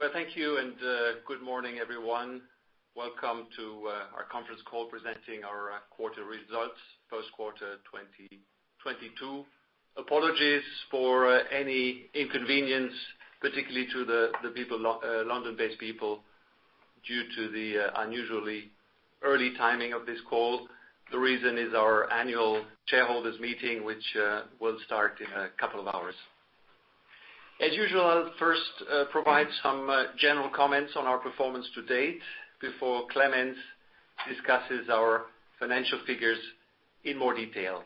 Well, thank you, and good morning, everyone. Welcome to our conference call presenting our quarter results first quarter 2022. Apologies for any inconvenience, particularly to the London-based people due to the unusually early timing of this call. The reason is our Annual Shareholders Meeting, which will start in a couple of hours. As usual, I'll first provide some general comments on our performance to date before Clemens discusses our financial figures in more detail.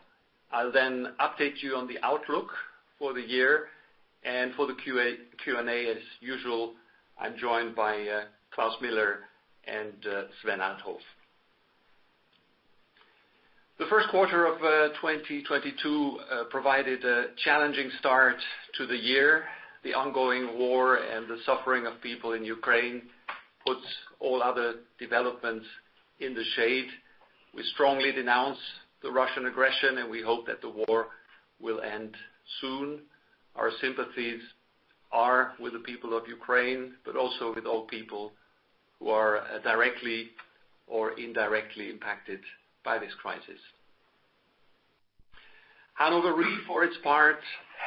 I'll then update you on the outlook for the year. For the Q&A as usual, I'm joined by Klaus Miller and Sven Althoff. The first quarter of 2022 provided a challenging start to the year. The ongoing war and the suffering of people in Ukraine puts all other developments in the shade. We strongly denounce the Russian aggression, and we hope that the war will end soon. Our sympathies are with the people of Ukraine, but also with all people who are directly or indirectly impacted by this crisis. Hannover Re, for its part,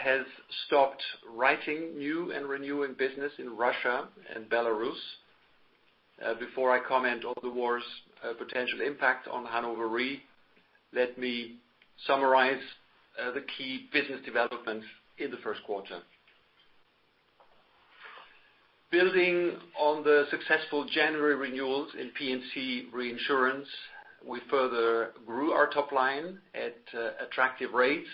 has stopped writing new and renewing business in Russia and Belarus. Before I comment on the war's potential impact on Hannover Re, let me summarize the key business developments in the first quarter. Building on the successful January renewals in P&C reinsurance, we further grew our top line at attractive rates.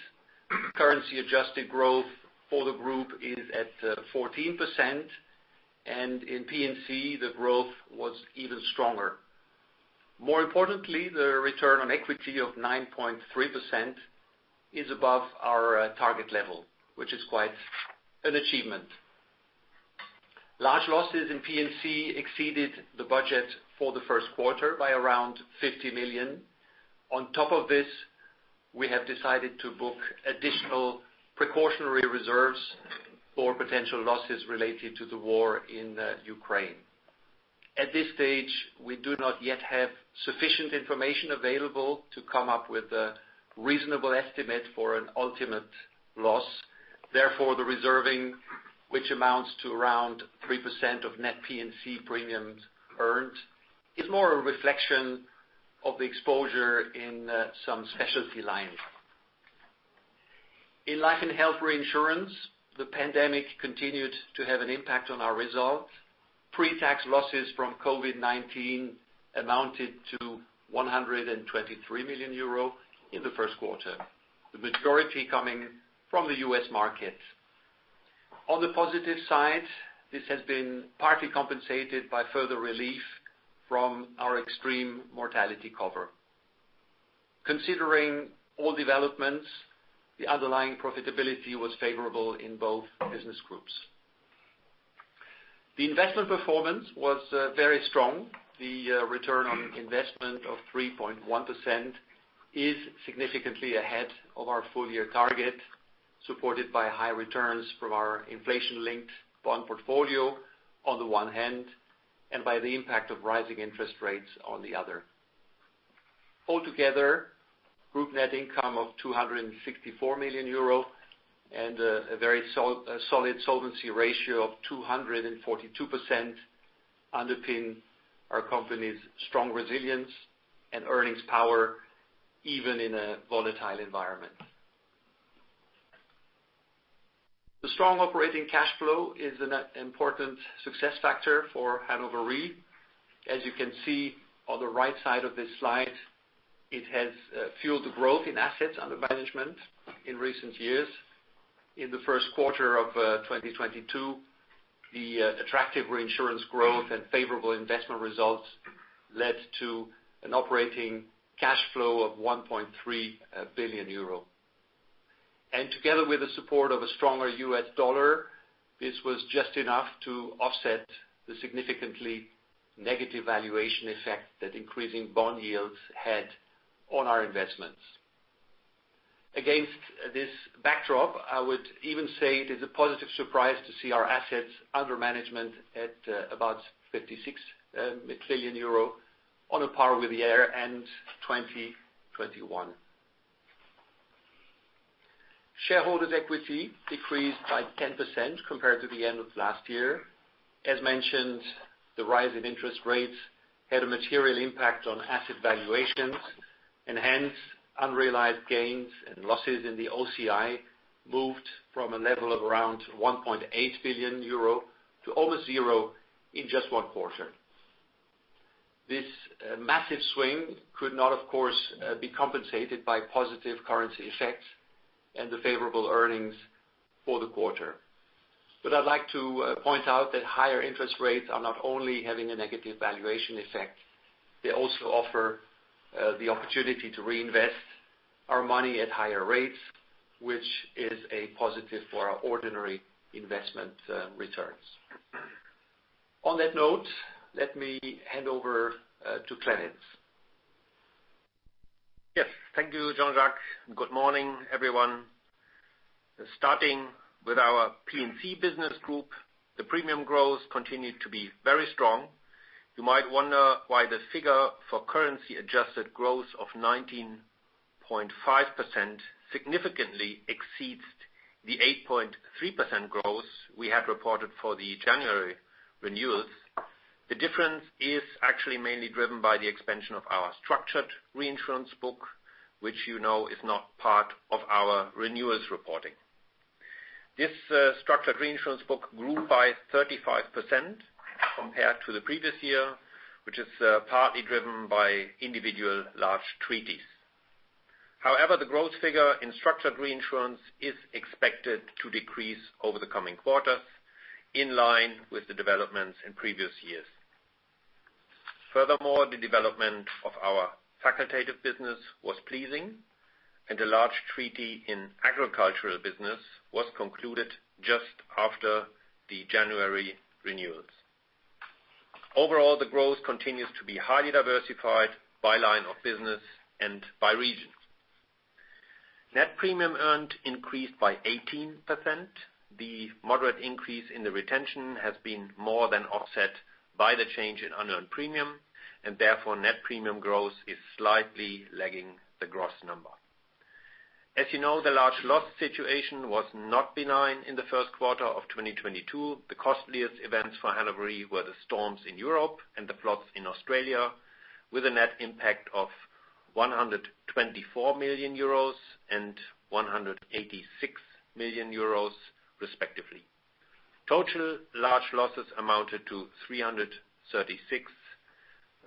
Currency adjusted growth for the group is at 14%, and in P&C, the growth was even stronger. More importantly, the return on equity of 9.3% is above our target level, which is quite an achievement. Large losses in P&C exceeded the budget for the first quarter by around 50 million. On top of this, we have decided to book additional precautionary reserves for potential losses related to the war in Ukraine. At this stage, we do not yet have sufficient information available to come up with a reasonable estimate for an ultimate loss. Therefore, the reserving, which amounts to around 3% of net P&C premiums earned, is more a reflection of the exposure in some specialty lines. In Life & Health reinsurance, the pandemic continued to have an impact on our results. Pre-tax losses from COVID-19 amounted to 123 million euro in the first quarter, the majority coming from the U.S. market. On the positive side, this has been partly compensated by further relief from our extreme mortality cover. Considering all developments, the underlying profitability was favorable in both business groups. The investment performance was very strong. The return on investment of 3.1% is significantly ahead of our full year target, supported by high returns from our inflation-linked bond portfolio on the one hand and by the impact of rising interest rates on the other. Altogether, group net income of 264 million euro and a very solid solvency ratio of 242% underpin our company's strong resilience and earnings power even in a volatile environment. The strong operating cash flow is an important success factor for Hannover Re. As you can see on the right side of this slide, it has fueled the growth in assets under management in recent years. In the first quarter of 2022, the attractive reinsurance growth and favorable investment results led to an operating cash flow of 1.3 billion euro. Together with the support of a stronger U.S. dollar, this was just enough to offset the significantly negative valuation effect that increasing bond yields had on our investments. Against this backdrop, I would even say it is a positive surprise to see our assets under management at about 56 million euro on a par with the year-end 2021. Shareholders' equity decreased by 10% compared to the end of last year. As mentioned, the rise in interest rates had a material impact on asset valuations, and hence, unrealized gains and losses in the OCI moved from a level of around 1.8 billion euro to almost zero in just one quarter. This massive swing could not, of course, be compensated by positive currency effects and the favorable earnings for the quarter. I'd like to point out that higher interest rates are not only having a negative valuation effect, they also offer the opportunity to reinvest our money at higher rates, which is a positive for our ordinary investment returns. On that note, let me hand over to Clemens. Yes. Thank you, Jean-Jacques, and good morning, everyone. Starting with our P&C business group, the premium growth continued to be very strong. You might wonder why the figure for currency adjusted growth of 19.5% significantly exceeds the 8.3% growth we had reported for the January renewals. The difference is actually mainly driven by the expansion of our structured reinsurance book, which you know is not part of our renewals reporting. This structured reinsurance book grew by 35% compared to the previous year, which is partly driven by individual large treaties. However, the growth figure in structured reinsurance is expected to decrease over the coming quarters in line with the developments in previous years. Furthermore, the development of our facultative business was pleasing and a large treaty in agricultural business was concluded just after the January renewals. Overall, the growth continues to be highly diversified by line of business and by region. Net premium earned increased by 18%. The moderate increase in the retention has been more than offset by the change in unearned premium, and therefore, net premium growth is slightly lagging the gross number. As you know, the large loss situation was not benign in the first quarter of 2022. The costliest events for Hannover Re were the storms in Europe and the floods in Australia, with a net impact of 124 million euros and 186 million euros respectively. Total large losses amounted to 336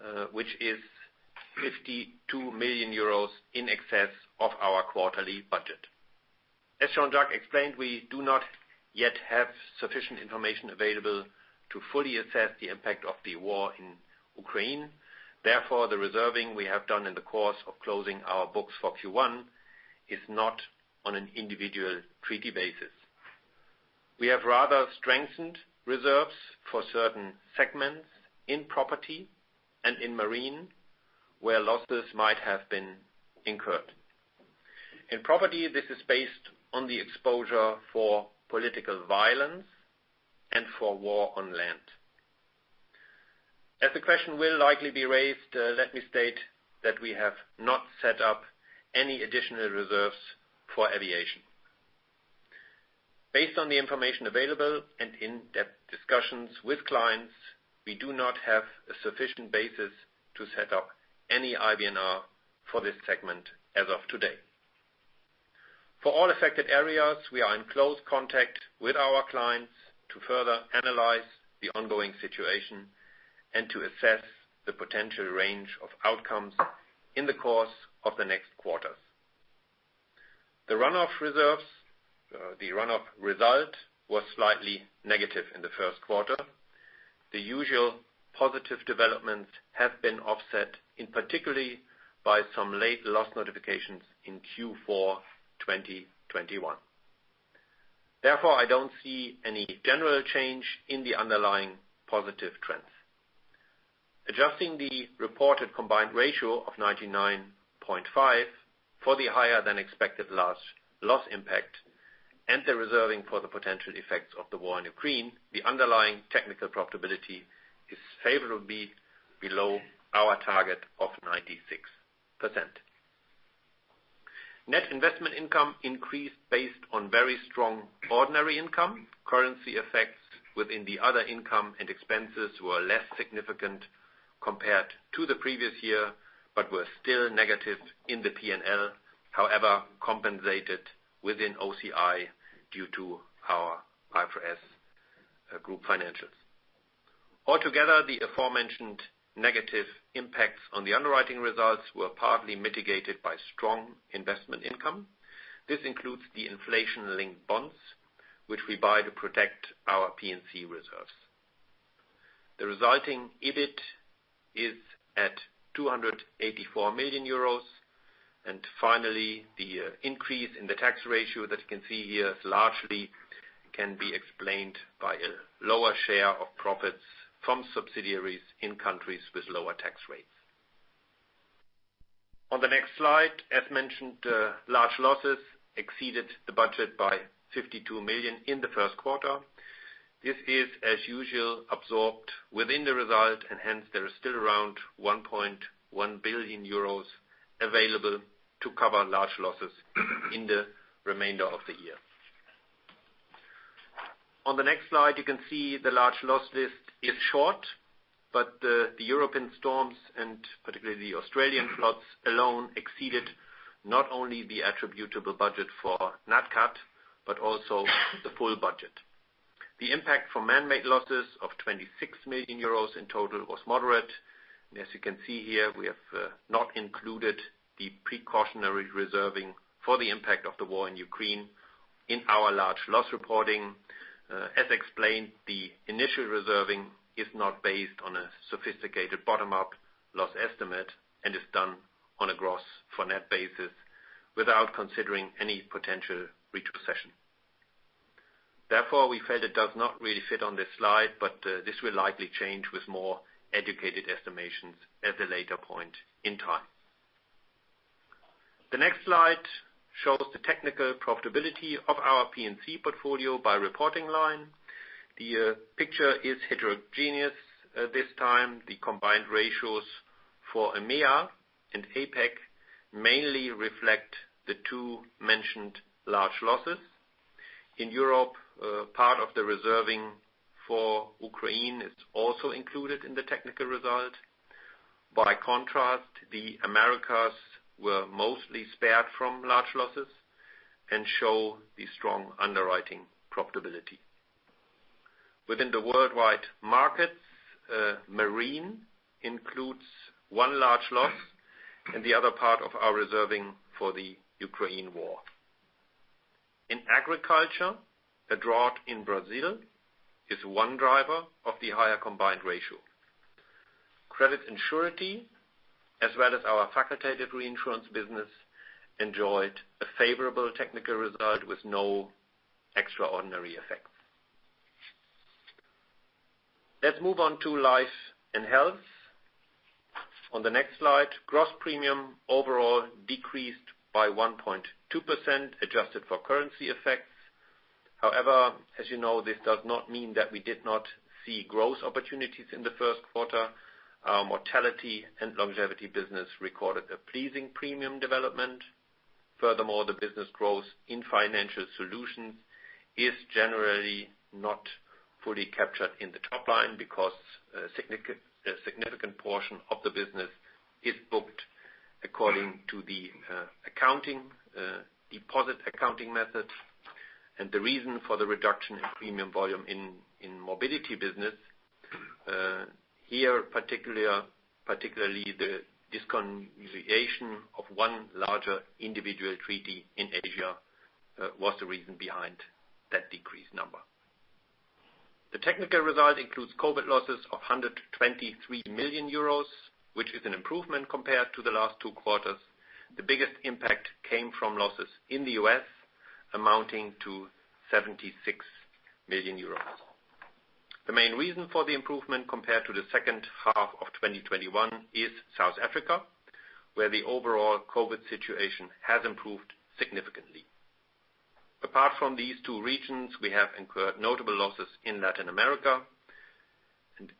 million, which is 52 million euros in excess of our quarterly budget. As Jean-Jacques explained, we do not yet have sufficient information available to fully assess the impact of the war in Ukraine. Therefore, the reserving we have done in the course of closing our books for Q1 is not on an individual treaty basis. We have rather strengthened reserves for certain segments in Property and in Marine, where losses might have been incurred. In Property, this is based on the exposure for political violence and for war on land. As the question will likely be raised, let me state that we have not set up any additional reserves for aviation. Based on the information available and in-depth discussions with clients, we do not have a sufficient basis to set up any IBNR for this segment as of today. For all affected areas, we are in close contact with our clients to further analyze the ongoing situation and to assess the potential range of outcomes in the course of the next quarters. The run-off reserves, the run-off result was slightly negative in the first quarter. The usual positive developments have been offset, in particular, by some late loss notifications in Q4 2021. Therefore, I don't see any general change in the underlying positive trends. Adjusting the reported combined ratio of 99.5% for the higher than expected loss impact and the reserving for the potential effects of the war in Ukraine, the underlying technical profitability is favorably below our target of 96%. Net investment income increased based on very strong ordinary income. Currency effects within the other income and expenses were less significant compared to the previous year, but were still negative in the P&L. However, compensated within OCI due to our IFRS group financials. Altogether, the aforementioned negative impacts on the underwriting results were partly mitigated by strong investment income. This includes the inflation-linked bonds, which we buy to protect our P&C reserves. The resulting EBIT is at 284 million euros. Finally, the increase in the tax ratio that you can see here largely can be explained by a lower share of profits from subsidiaries in countries with lower tax rates. On the next slide, as mentioned, large losses exceeded the budget by 52 million in the first quarter. This is, as usual, absorbed within the result, and hence there is still around 1.1 billion euros available to cover large losses in the remainder of the year. On the next slide, you can see the large loss list is short, but the European storms and particularly the Australian floods alone exceeded not only the attributable budget for Nat Cat, but also the full budget. The impact for manmade losses of 26 million euros in total was moderate. As you can see here, we have not included the precautionary reserving for the impact of the war in Ukraine in our large loss reporting. As explained, the initial reserving is not based on a sophisticated bottom-up loss estimate and is done on a gross for net basis without considering any potential retrocession. Therefore, we felt it does not really fit on this slide, but this will likely change with more educated estimations at a later point in time. The next slide shows the technical profitability of our P&C portfolio by reporting line. The picture is heterogeneous this time. The combined ratios for EMEA and APAC mainly reflect the two mentioned large losses. In Europe, part of the reserving for Ukraine is also included in the technical result. By contrast, the Americas were mostly spared from large losses and show the strong underwriting profitability. Within the worldwide markets, marine includes one large loss and the other part of our reserving for the Ukraine war. In agriculture, a drought in Brazil is one driver of the higher combined ratio. Credit and surety, as well as our Facultative reinsurance business, enjoyed a favorable technical result with no extraordinary effects. Let's move on to Life & Health. On the next slide, gross premium overall decreased by 1.2% adjusted for currency effects. However, as you know, this does not mean that we did not see growth opportunities in the first quarter. Our mortality and longevity business recorded a pleasing premium development. Furthermore, the business growth in financial solutions is generally not fully captured in the top line because a significant portion of the business is booked according to the deposit accounting method. The reason for the reduction in premium volume in morbidity business here, particularly the discontinuation of one larger individual treaty in Asia, was the reason behind that decreased number. The technical result includes COVID losses of 123 million euros, which is an improvement compared to the last two quarters. The biggest impact came from losses in the U.S., amounting to 76 million euros. The main reason for the improvement compared to the second half of 2021 is South Africa, where the overall COVID situation has improved significantly. Apart from these two regions, we have incurred notable losses in Latin America.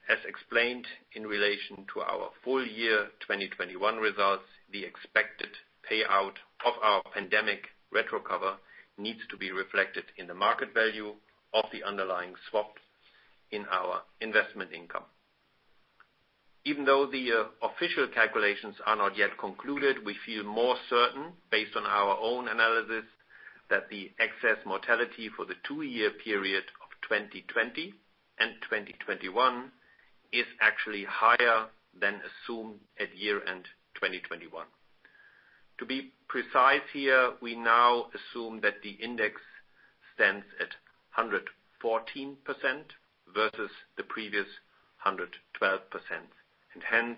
As explained in relation to our full year 2021 results, the expected payout of our pandemic retro cover needs to be reflected in the market value of the underlying swap in our investment income. Even though the official calculations are not yet concluded, we feel more certain based on our own analysis that the excess mortality for the two-year period of 2020 and 2021 is actually higher than assumed at year-end 2021. To be precise here, we now assume that the index stands at 114% versus the previous 112%. Hence,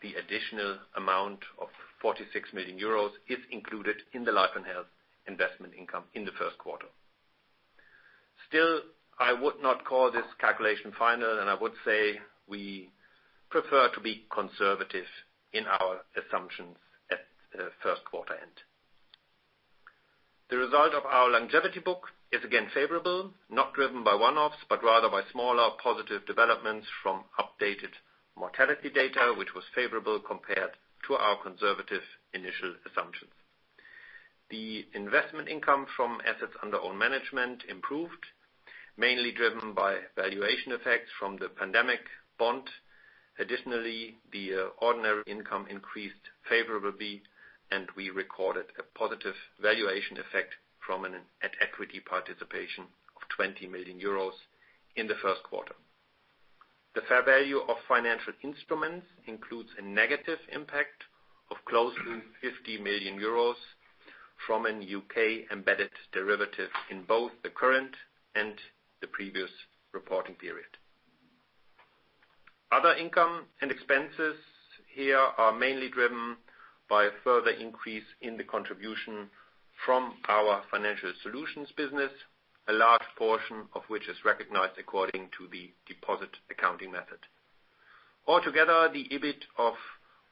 the additional amount of 46 million euros is included in the Life & Health investment income in the first quarter. Still, I would not call this calculation final, and I would say we prefer to be conservative in our assumptions at first quarter end. The result of our longevity book is again favorable, not driven by one-offs, but rather by smaller positive developments from updated mortality data, which was favorable compared to our conservative initial assumptions. The investment income from assets under own management improved, mainly driven by valuation effects from the pandemic bond. Additionally, ordinary income increased favorably, and we recorded a positive valuation effect from an at-equity participation of 20 million euros in the first quarter. The fair value of financial instruments includes a negative impact of close to 50 million euros from a U.K.-embedded derivative in both the current and the previous reporting period. Other income and expenses here are mainly driven by a further increase in the contribution from our financial solutions business, a large portion of which is recognized according to the deposit accounting method. Altogether, the EBIT of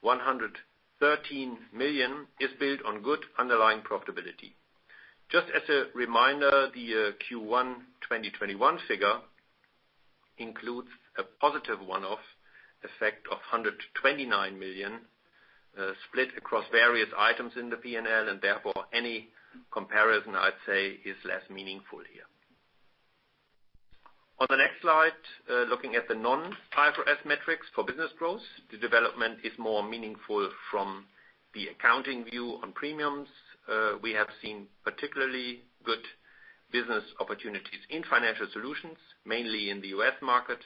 113 million is built on good underlying profitability. Just as a reminder, the Q1 2021 figure includes a positive one-off effect of 129 million, split across various items in the P&L, and therefore, any comparison, I'd say, is less meaningful here. On the next slide, looking at the non-IFRS metrics for business growth, the development is more meaningful from the accounting view on premiums. We have seen particularly good business opportunities in financial solutions, mainly in the U.S. market.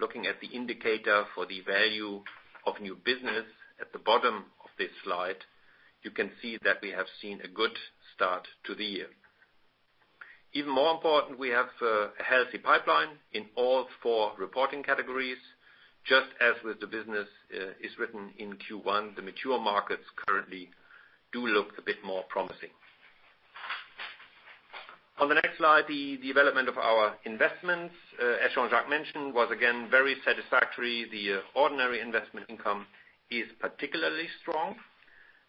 Looking at the indicator for the value of new business at the bottom of this slide, you can see that we have seen a good start to the year. Even more important, we have a healthy pipeline in all four reporting categories. Just as with the business is written in Q1, the mature markets currently do look a bit more promising. On the next slide, the development of our investments, as Jean-Jacques mentioned, was again very satisfactory. The ordinary investment income is particularly strong.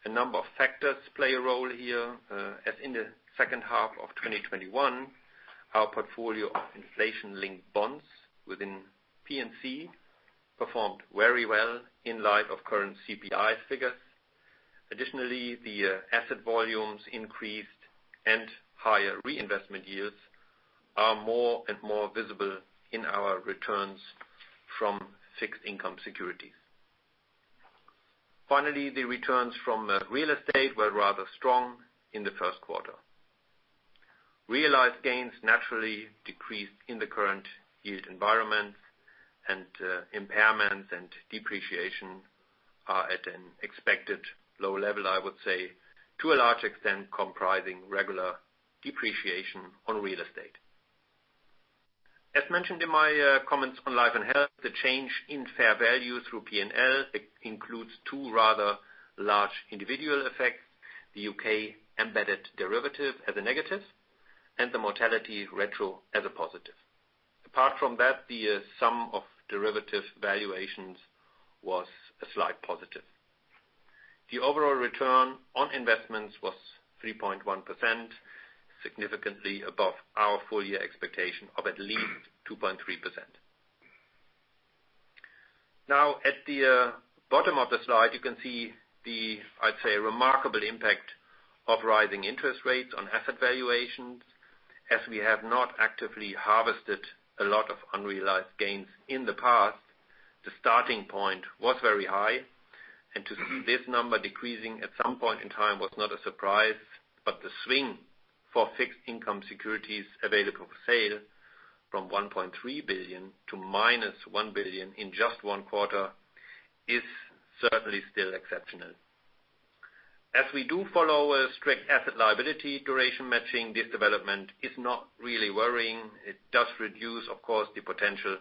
A number of factors play a role here, as in the second half of 2021, our portfolio of inflation-linked bonds within P&C performed very well in light of current CPI figures. Additionally, the asset volumes increased and higher reinvestment yields are more and more visible in our returns from fixed income securities. Finally, the returns from real estate were rather strong in the first quarter. Realized gains naturally decreased in the current yield environment and, impairments and depreciation are at an expected low level, I would say, to a large extent comprising regular depreciation on real estate. As mentioned in my, comments on Life & Health, the change in fair value through P&L includes two rather large individual effects, the U.K. embedded derivative as a negative and the mortality retro as a positive. Apart from that, the sum of derivative valuations was a slight positive. The overall return on investments was 3.1%, significantly above our full year expectation of at least 2.3%. Now at the bottom of the slide, you can see the, I'd say, remarkable impact of rising interest rates on asset valuations. As we have not actively harvested a lot of unrealized gains in the past, the starting point was very high. To see this number decreasing at some point in time was not a surprise. The swing for fixed income securities available for sale from 1.3 billion to -1 billion in just one quarter is certainly still exceptional. As we do follow a strict asset liability duration matching, this development is not really worrying. It does reduce, of course, the potential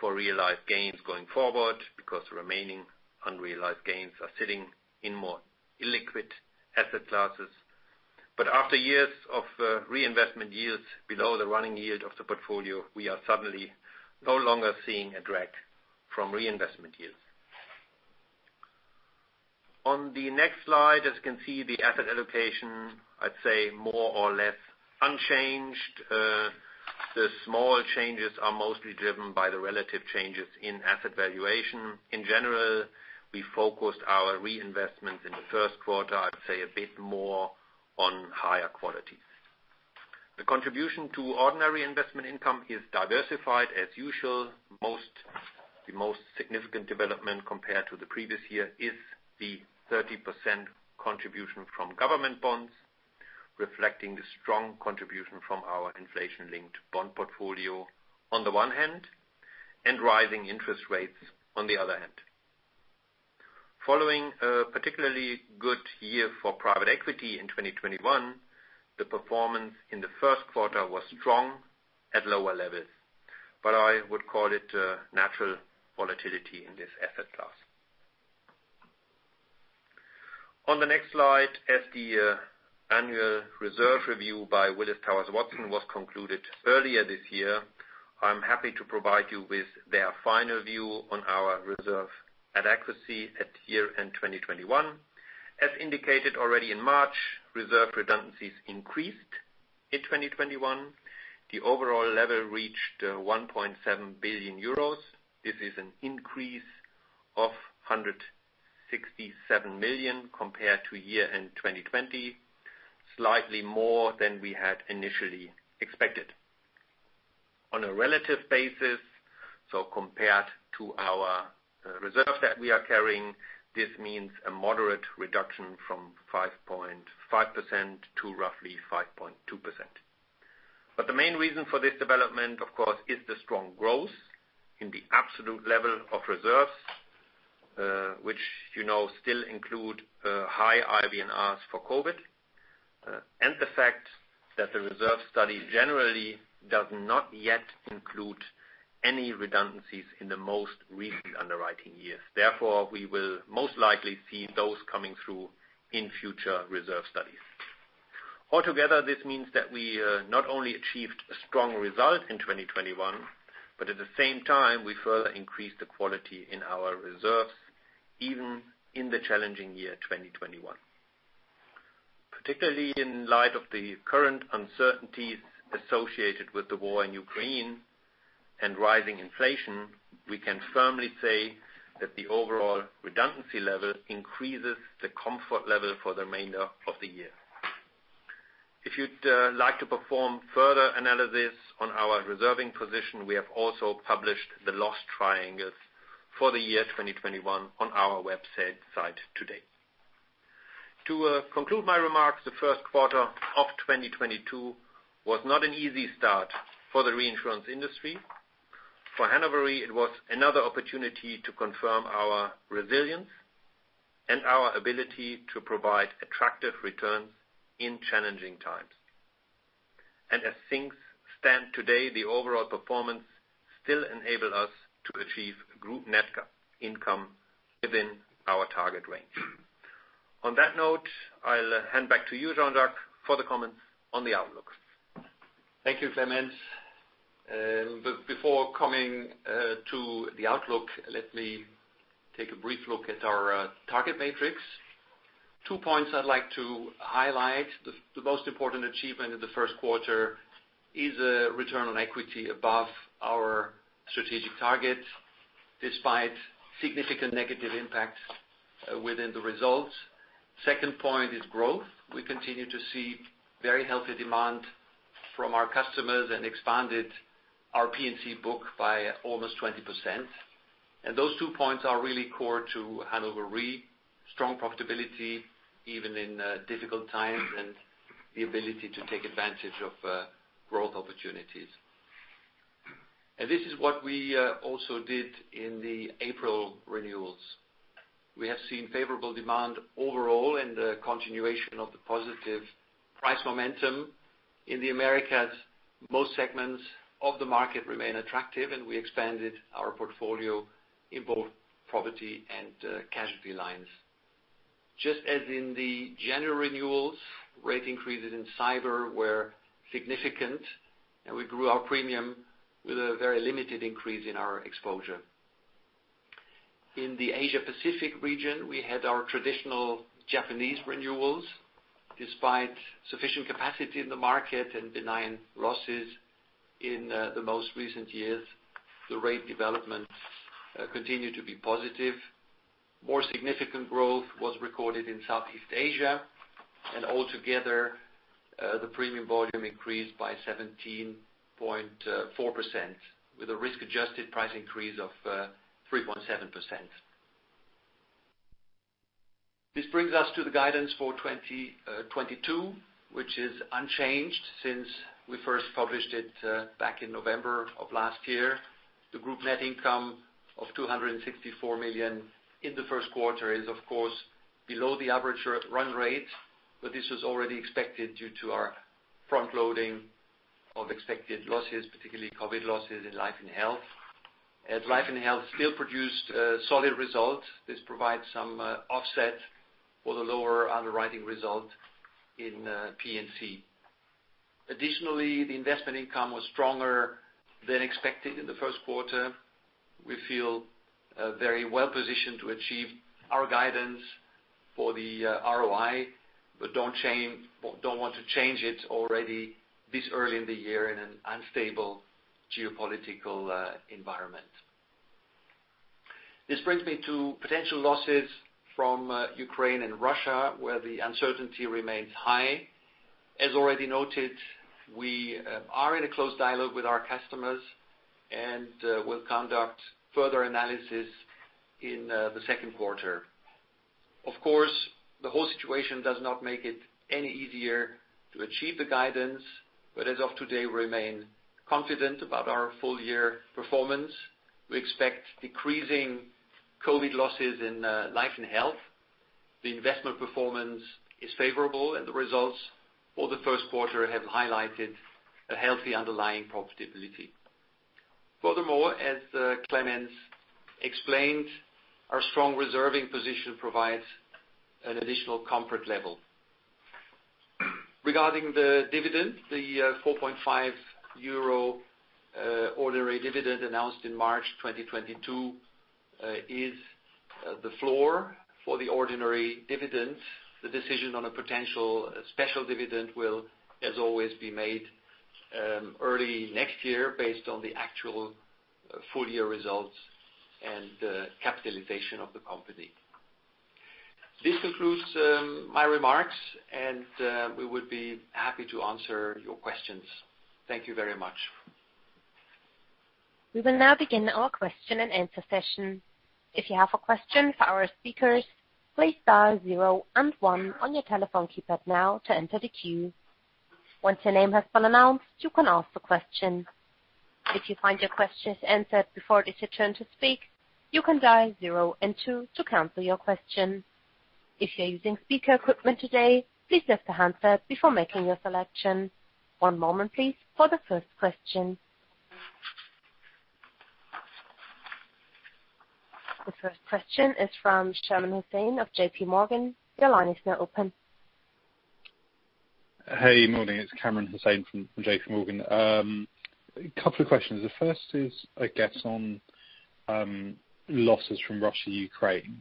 for realized gains going forward because the remaining unrealized gains are sitting in more illiquid asset classes. After years of reinvestment yields below the running yield of the portfolio, we are suddenly no longer seeing a drag from reinvestment yields. On the next slide, as you can see, the asset allocation, I'd say more or less unchanged. The small changes are mostly driven by the relative changes in asset valuation. In general, we focused our reinvestments in the first quarter, I'd say, a bit more on higher qualities. The contribution to ordinary investment income is diversified as usual. The most significant development compared to the previous year is the 30% contribution from government bonds, reflecting the strong contribution from our inflation-linked bond portfolio on the one hand, and rising interest rates on the other hand. Following a particularly good year for private equity in 2021, the performance in the first quarter was strong at lower levels, but I would call it natural volatility in this asset class. On the next slide, as the annual reserve review by Willis Towers Watson was concluded earlier this year, I'm happy to provide you with their final view on our reserve adequacy at year-end 2021. As indicated already in March, reserve redundancies increased in 2021. The overall level reached 1.7 billion euros. This is an increase of 167 million compared to year-end 2020, slightly more than we had initially expected. On a relative basis, compared to our reserve that we are carrying, this means a moderate reduction from 5.5% to roughly 5.2%. The main reason for this development, of course, is the strong growth in the absolute level of reserves, which you know still include high IBNRs for COVID and the fact that the reserve study generally does not yet include any redundancies in the most recent underwriting years. Therefore, we will most likely see those coming through in future reserve studies. Altogether, this means that we not only achieved a strong result in 2021, but at the same time, we further increased the quality in our reserves, even in the challenging year, 2021. Particularly in light of the current uncertainties associated with the war in Ukraine and rising inflation, we can firmly say that the overall redundancy level increases the comfort level for the remainder of the year. If you'd like to perform further analysis on our reserving position, we have also published the loss triangles for the year 2021 on our website today. To conclude my remarks, the first quarter of 2022 was not an easy start for the reinsurance industry. For Hannover Re, it was another opportunity to confirm our resilience and our ability to provide attractive returns in challenging times. As things stand today, the overall performance still enable us to achieve group net income within our target range. On that note, I'll hand back to you, Jean-Jacques, for the comments on the outlook. Thank you, Clemens. But before coming to the outlook, let me take a brief look at our target matrix. Two points I'd like to highlight. The most important achievement in the first quarter is a return on equity above our strategic target despite significant negative impacts within the results. Second point is growth. We continue to see very healthy demand from our customers and expanded our P&C book by almost 20%. Those two points are really core to Hannover Re. Strong profitability, even in difficult times, and the ability to take advantage of growth opportunities. This is what we also did in the April renewals. We have seen favorable demand overall and the continuation of the positive price momentum. In the Americas, most segments of the market remain attractive, and we expanded our portfolio in both property and casualty lines. Just as in the general renewals, rate increases in cyber were significant, and we grew our premium with a very limited increase in our exposure. In the Asia Pacific region, we had our traditional Japanese renewals. Despite sufficient capacity in the market and benign losses in the most recent years, the rate developments continued to be positive. More significant growth was recorded in Southeast Asia. Altogether, the premium volume increased by 17.4% with a risk-adjusted price increase of 3.7%. This brings us to the guidance for 2022, which is unchanged since we first published it back in November of last year. The group net income of 264 million in the first quarter is, of course, below the average run rate, but this was already expected due to our front-loading of expected losses, particularly COVID losses in Life & Health. As Life & Health still produced a solid result, this provides some offset for the lower underwriting result in P&C. Additionally, the investment income was stronger than expected in the first quarter. We feel very well positioned to achieve our guidance for the ROI, but don't want to change it already this early in the year in an unstable geopolitical environment. This brings me to potential losses from Ukraine and Russia, where the uncertainty remains high. As already noted, we are in a close dialogue with our customers and will conduct further analysis in the second quarter. Of course, the whole situation does not make it any easier to achieve the guidance, but as of today, we remain confident about our full year performance. We expect decreasing COVID losses in Life & Health. The investment performance is favorable, and the results for the first quarter have highlighted a healthy underlying profitability. Furthermore, as Clemens explained, our strong reserving position provides an additional comfort level. Regarding the dividend, the 4.5 euro ordinary dividend announced in March 2022 is the floor for the ordinary dividend. The decision on a potential special dividend will, as always, be made early next year based on the actual full year results and capitalization of the company. This concludes my remarks, and we would be happy to answer your questions. Thank you very much. We will now begin our question-and-answer session. If you have a question for our speakers, please dial zero and one on your telephone keypad now to enter the queue. Once your name has been announced, you can ask the question. If you find your questions answered before it is your turn to speak, you can dial zero and two to cancel your question. If you're using speaker equipment today, please lift the handset before making your selection. One moment, please, for the first question. The first question is from Kamran Hossain of J.P. Morgan. Your line is now open. Hey, morning, it's Kamran Hossain from J.P. Morgan. A couple of questions. The first is, I guess, on losses from Russia, Ukraine.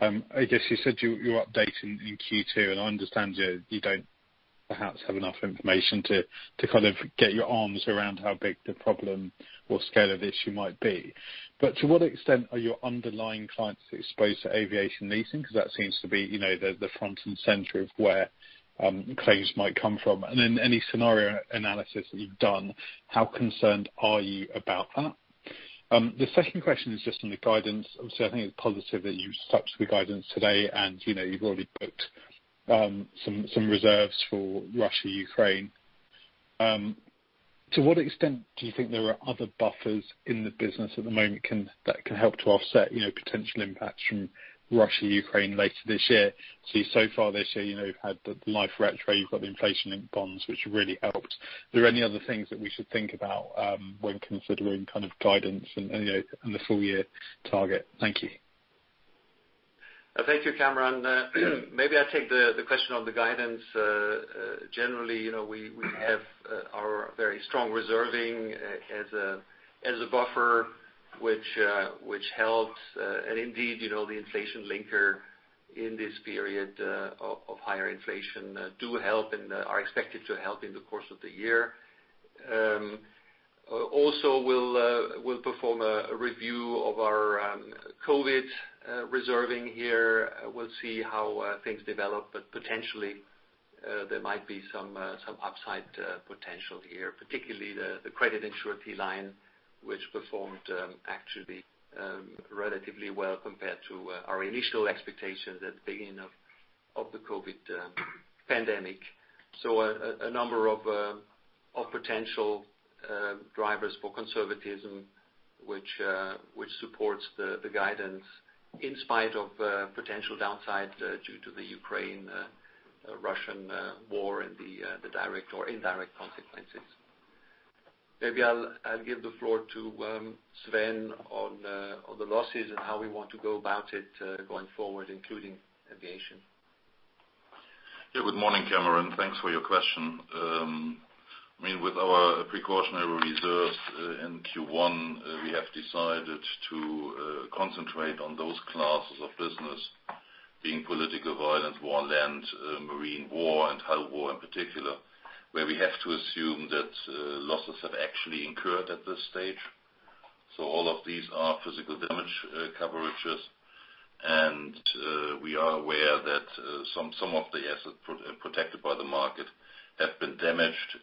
I guess you said you're updating in Q2, and I understand you don't perhaps have enough information to kind of get your arms around how big the problem or scale of the issue might be. But to what extent are your underlying clients exposed to aviation leasing? Because that seems to be, you know, the front and center of where claims might come from. And then any scenario analysis that you've done, how concerned are you about that? The second question is just on the guidance. Obviously, I think it's positive that you set up the guidance today and, you know, you've already booked some reserves for Russia, Ukraine. To what extent do you think there are other buffers in the business at the moment that can help to offset, you know, potential impacts from Russia, Ukraine later this year? So far this year, you know, you've had the life retro, you've got the inflation-linked bonds, which really helped. Are there any other things that we should think about when considering kind of guidance and the full year target? Thank you. Thank you, Kamran. Maybe I take the question on the guidance. Generally, you know, we have our very strong reserving as a buffer, which helps. Indeed, you know, the inflation linker in this period of higher inflation do help and are expected to help in the course of the year. Also we'll perform a review of our COVID reserving here. We'll see how things develop. Potentially, there might be some upside potential here. Particularly the credit insurance line, which performed actually relatively well compared to our initial expectations at the beginning of the COVID pandemic. A number of potential drivers for conservatism, which supports the guidance in spite of potential downsides due to the Ukraine Russian war and the direct or indirect consequences. Maybe I'll give the floor to Sven on the losses and how we want to go about it going forward, including aviation. Yeah, good morning, Kamran. Thanks for your question. I mean, with our precautionary reserves in Q1, we have decided to concentrate on those classes of business being political violence, war on land, marine war, and hull war in particular. Where we have to assume that losses have actually incurred at this stage. All of these are physical damage coverages. We are aware that some of the assets protected by the market have been damaged.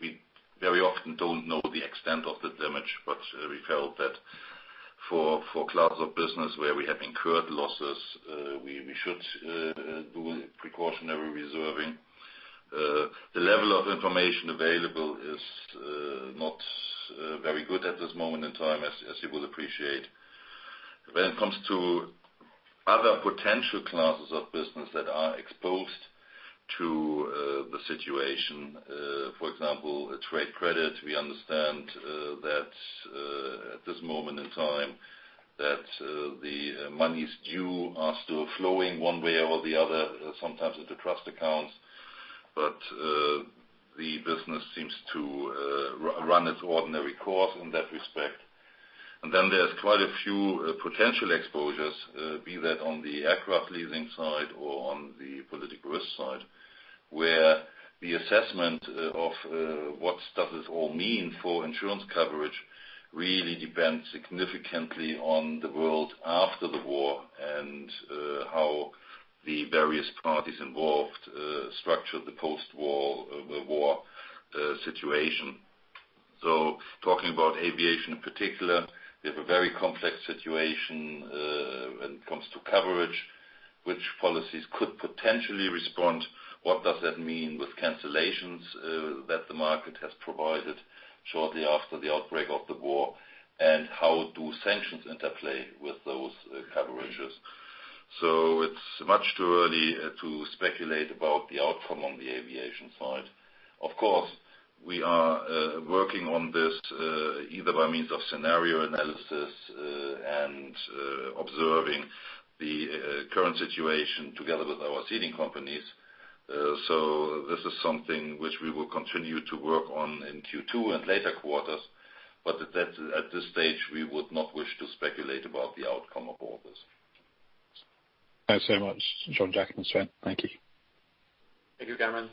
We very often don't know the extent of the damage, but we felt that for classes of business where we have incurred losses, we should do precautionary reserving. The level of information available is not very good at this moment in time, as you will appreciate. When it comes to other potential classes of business that are exposed to the situation, for example, trade credit. We understand that at this moment in time the monies due are still flowing one way or the other, sometimes into trust accounts. The business seems to run its ordinary course in that respect. Then there's quite a few potential exposures, be that on the aircraft leasing side or on the political risk side, where the assessment of what does this all mean for insurance coverage really depends significantly on the world after the war and how the various parties involved structure the post-war situation. Talking about aviation in particular, we have a very complex situation when it comes to coverage. Which policies could potentially respond? What does that mean with cancellations, that the market has provided shortly after the outbreak of the war? How do sanctions interplay with those, coverages? It's much too early to speculate about the outcome on the aviation side. Of course, we are working on this, either by means of scenario analysis and observing the current situation together with our ceding companies. This is something which we will continue to work on in Q2 and later quarters. That, at this stage, we would not wish to speculate about the outcome of all this. Thanks so much, Jean-Jacques and Sven. Thank you. Thank you, Kamran.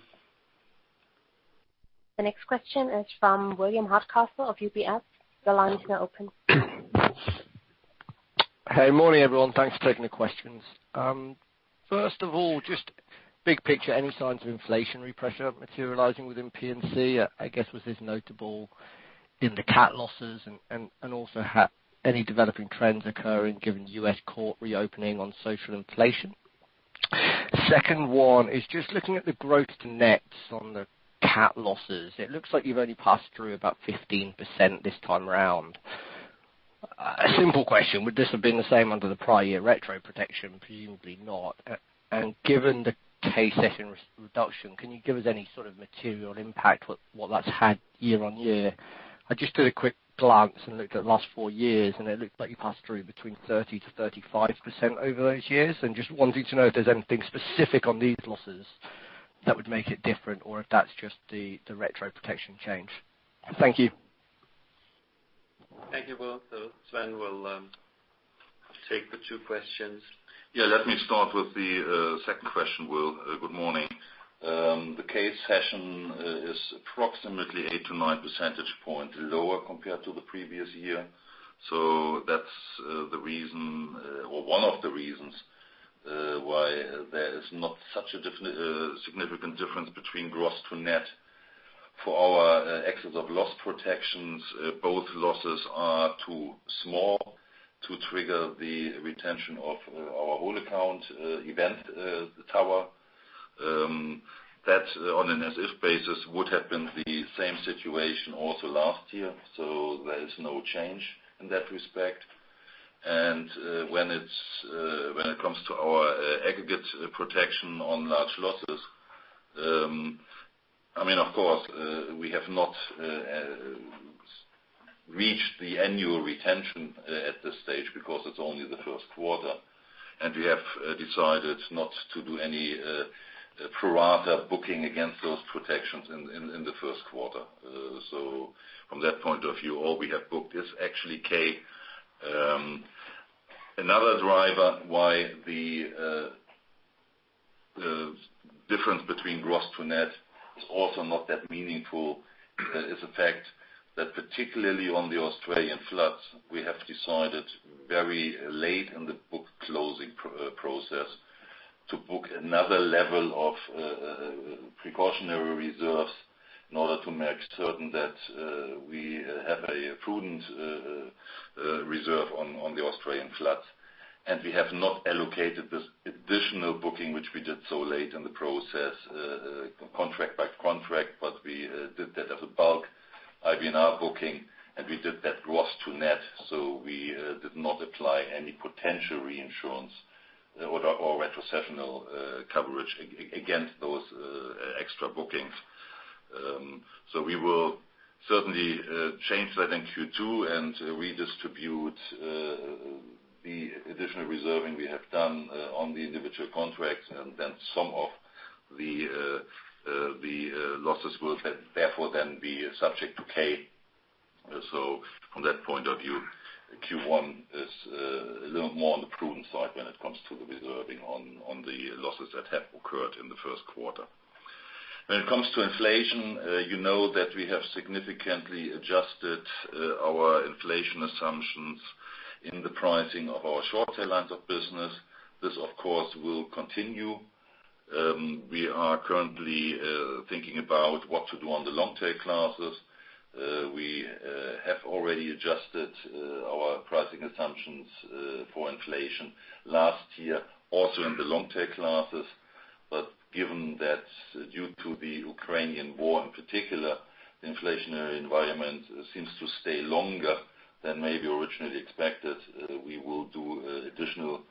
The next question is from William Hardcastle of UBS. Your line is now open. Morning, everyone. Thanks for taking the questions. First of all, just big picture, any signs of inflationary pressure materializing within P&C, I guess was this notable in the cat losses and also how any developing trends occurring given U.S. court reopening on social inflation? Second one is just looking at the gross to nets on the cat losses. It looks like you've only passed through about 15% this time around. A simple question, would this have been the same under the prior year retro protection? Presumably not. And given the K-Cession re-reduction, can you give us any sort of material impact, what that's had year-on-year? I just did a quick glance and looked at the last four years, and it looked like you passed through between 30%-35% over those years. Just wanting to know if there's anything specific on these losses that would make it different or if that's just the retro protection change. Thank you. Thank you, Will. Sven will take the two questions. Yeah, let me start with the second question, Will. Good morning. The K-cession is approximately 8-9 percentage points lower compared to the previous year. That's the reason, or one of the reasons, why there is not such a significant difference between gross-to-net. For our excess of loss protections, both losses are too small to trigger the retention of our whole account event tower. That on an as-if basis would have been the same situation also last year. There is no change in that respect. When it comes to our aggregate protection on large losses, I mean, of course, we have not reached the annual retention at this stage because it's only the first quarter, and we have decided not to do any pro rata booking against those protections in the first quarter. From that point of view, all we have booked is actually K. Another driver why the difference between gross to net is also not that meaningful is the fact that particularly on the Australian floods, we have decided very late in the book closing process to book another level of precautionary reserves in order to make certain that we have a prudent reserve on the Australian floods. We have not allocated this additional booking, which we did so late in the process, contract by contract, but we did that as a bulk IBNR booking, and we did that gross to net, so we did not apply any potential reinsurance or retrocessional coverage against those extra bookings. We will certainly change that in Q2 and redistribute the additional reserving we have done on the individual contracts. Some of the losses will therefore be subject to K. From that point of view, Q1 is a little more on the prudent side when it comes to the reserving on the losses that have occurred in the first quarter. When it comes to inflation, you know that we have significantly adjusted our inflation assumptions in the pricing of our short tail lines of business. This, of course, will continue. We are currently thinking about what to do on the long tail classes. We have already adjusted our pricing assumptions for inflation last year, also in the long tail classes. Given that due to the Ukrainian war in particular, the inflationary environment seems to stay longer than maybe originally expected, we will do additional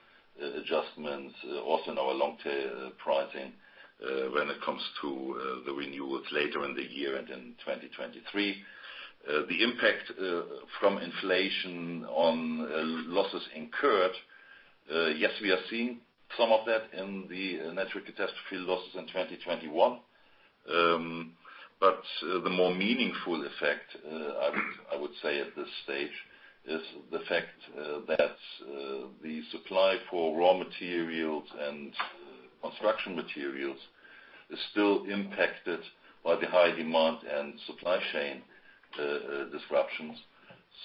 adjustments also in our long tail pricing when it comes to the renewals later in the year and in 2023. The impact from inflation on losses incurred, yes, we are seeing some of that in the net catastrophe losses in 2021. The more meaningful effect, I would say at this stage is the fact that the supply for raw materials and construction materials is still impacted by the high demand and supply chain disruptions.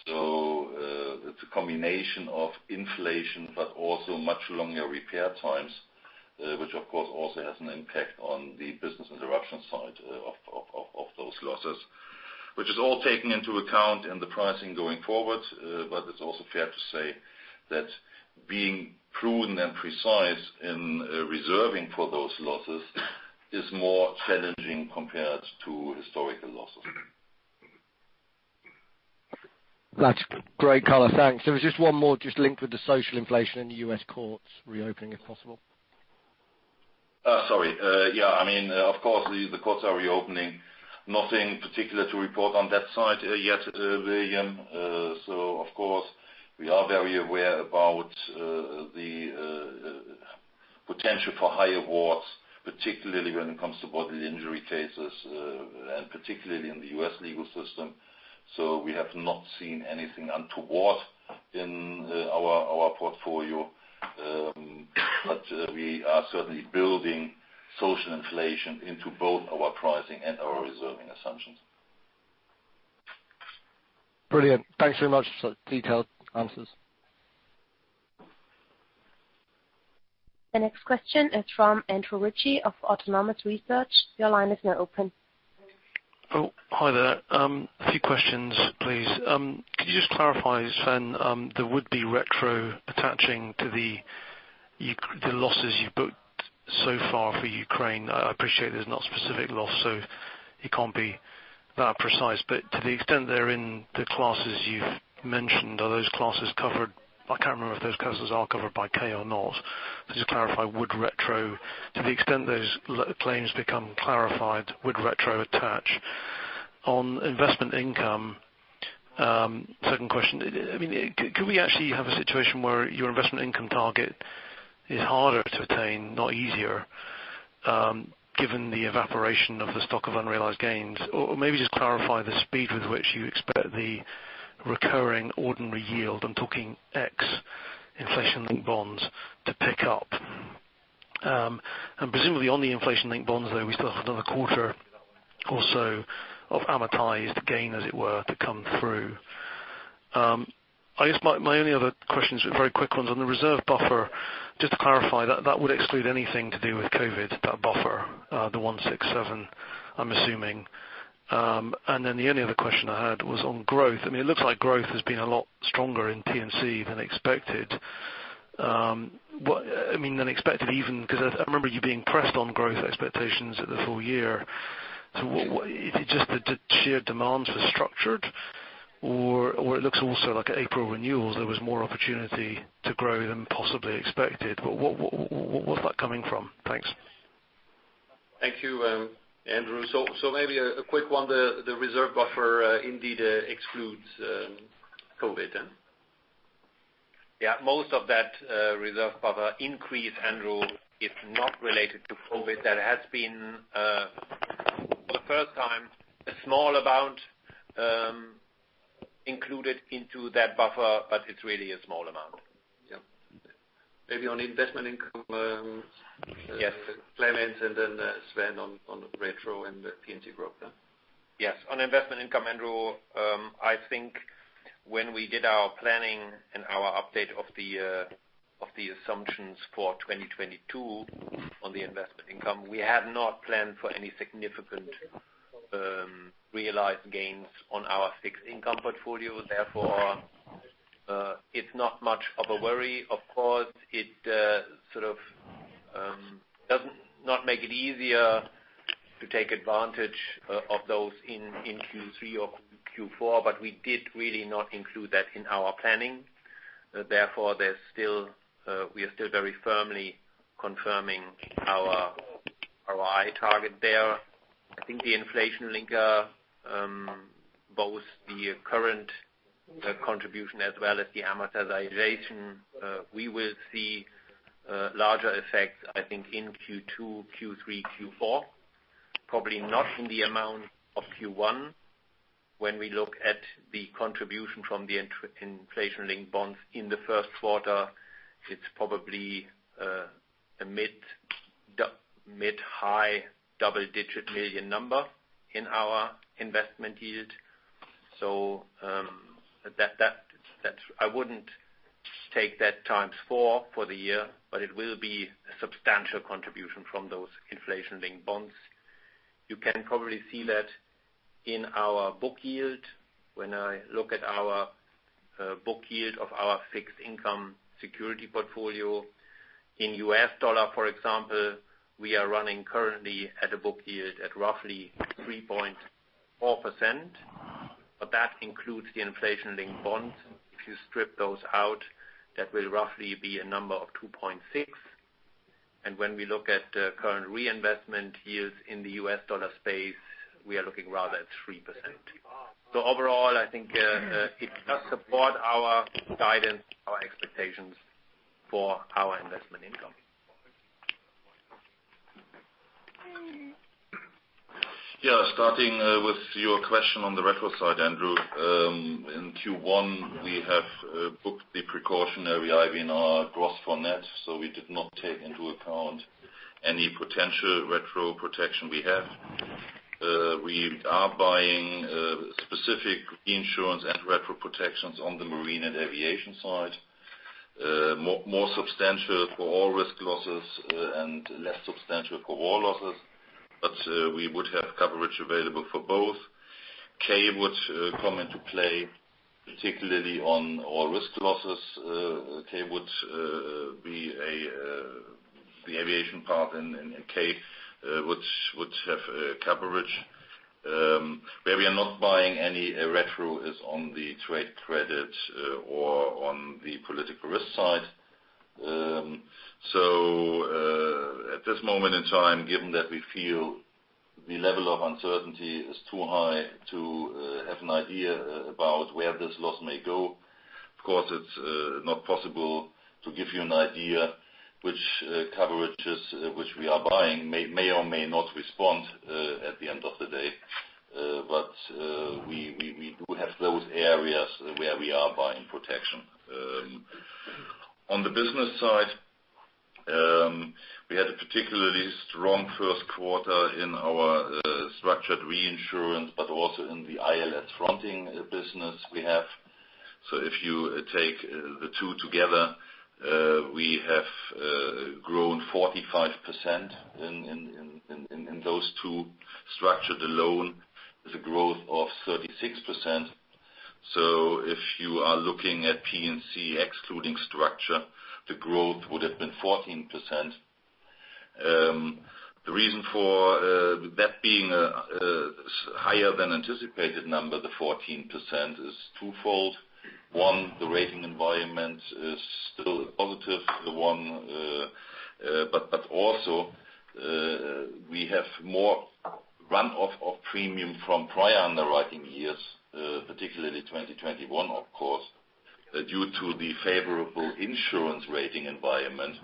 It's a combination of inflation, but also much longer repair times, which of course also has an impact on the business interruption side of those losses, which is all taken into account in the pricing going forward. It's also fair to say that being prudent and precise in reserving for those losses is more challenging compared to historical losses. That's great color. Thanks. There was just one more linked with the social inflation in the U.S. courts reopening, if possible. I mean, of course, the courts are reopening. Nothing particular to report on that side, yet, William. We are very aware about the potential for higher awards, particularly when it comes to bodily injury cases, and particularly in the U.S. legal system. We have not seen anything untoward in our portfolio. We are certainly building social inflation into both our pricing and our reserving assumptions. Brilliant. Thanks very much for detailed answers. The next question is from Andrew Ritchie of Autonomous Research. Your line is now open. Oh, hi there. A few questions, please. Could you just clarify, Sven, the retro attaching to the losses you've booked so far for Ukraine? I appreciate there's no specific loss, so you can't be that precise. To the extent they're in the classes you've mentioned, are those classes covered? I can't remember if those classes are covered by K or not. Just to clarify, would retro, to the extent those claims become clarified, would retro attach? On investment income, second question. I mean, could we actually have a situation where your investment income target is harder to attain, not easier, given the evaporation of the stock of unrealized gains? Or maybe just clarify the speed with which you expect the recurring ordinary yield, I'm talking ex inflation-linked bonds, to pick up. Presumably on the inflation-linked bonds, though, we still have another quarter or so of amortized gain, as it were, to come through. I guess my only other questions, very quick ones. On the reserve buffer, just to clarify, that would exclude anything to do with COVID, that buffer, the 167, I'm assuming? The only other question I had was on growth. I mean, it looks like growth has been a lot stronger in P&C than expected. What, I mean, than expected even, 'cause I remember you being pressed on growth expectations at the full year. What is it just the sheer demand for structured or it looks also like April renewals, there was more opportunity to grow than possibly expected. What, what's that coming from? Thanks. Thank you, Andrew. Maybe a quick one. The reserve buffer indeed excludes COVID? Yeah. Most of that, reserve buffer increase, Andrew, is not related to COVID. There has been, for the first time, a small amount, included into that buffer, but it's really a small amount. Yeah. Maybe on investment income, Yes. Clemens, Sven on retro and the P&C growth? Yes. On investment income, Andrew, I think when we did our planning and our update of the assumptions for 2022 on the investment income, we had not planned for any significant realized gains on our fixed income portfolio. Therefore, it's not much of a worry. Of course, it sort of doesn't not make it easier to take advantage of those in Q3 or Q4, but we did really not include that in our planning. Therefore, we are still very firmly confirming our ROI target there. I think the inflation linker, both the current contribution as well as the amortization, we will see larger effects, I think, in Q2, Q3, Q4, probably not in the amount of Q1. When we look at the contribution from the inflation-linked bonds in the first quarter, it's probably a mid-high double-digit million number in our investment yield. That I wouldn't take that x4 for the year, but it will be a substantial contribution from those inflation-linked bonds. You can probably see that in our book yield. When I look at our book yield of our fixed income security portfolio, in U.S. dollar, for example, we are running currently at a book yield at roughly 3.4%, but that includes the inflation-linked bonds. If you strip those out, that will roughly be a number of 2.6%. When we look at current reinvestment yields in the U.S. dollar space, we are looking rather at 3%. Overall, I think it does support our guidance, our expectations for our investment income. Yeah. Starting with your question on the retro side, Andrew. In Q1, we have booked the precautionary IV in our gross for net, so we did not take into account any potential retro protection we have. We are buying specific insurance and retro protections on the marine and aviation side. More substantial for all risk losses, and less substantial for all losses. We would have coverage available for both. K would come into play, particularly on all risk losses. K would be the aviation part and K would have coverage. Where we are not buying any retro is on the trade credit or on the political risk side. At this moment in time, given that we feel the level of uncertainty is too high to have an idea about where this loss may go, of course, it's not possible to give you an idea which coverages we are buying may or may not respond at the end of the day. We do have those areas where we are buying protection. On the business side, we had a particularly strong first quarter in our structured reinsurance, but also in the ILS fronting business we have. If you take the two together, we have grown 45% in those two structured alone, the growth of 36%. If you are looking at P&C excluding structure, the growth would have been 14%. The reason for that being a higher than anticipated number, the 14%, is twofold. One, the rating environment is still positive, but also we have more runoff of premium from prior underwriting years, particularly 2021, of course. Due to the favorable insurance rating environment,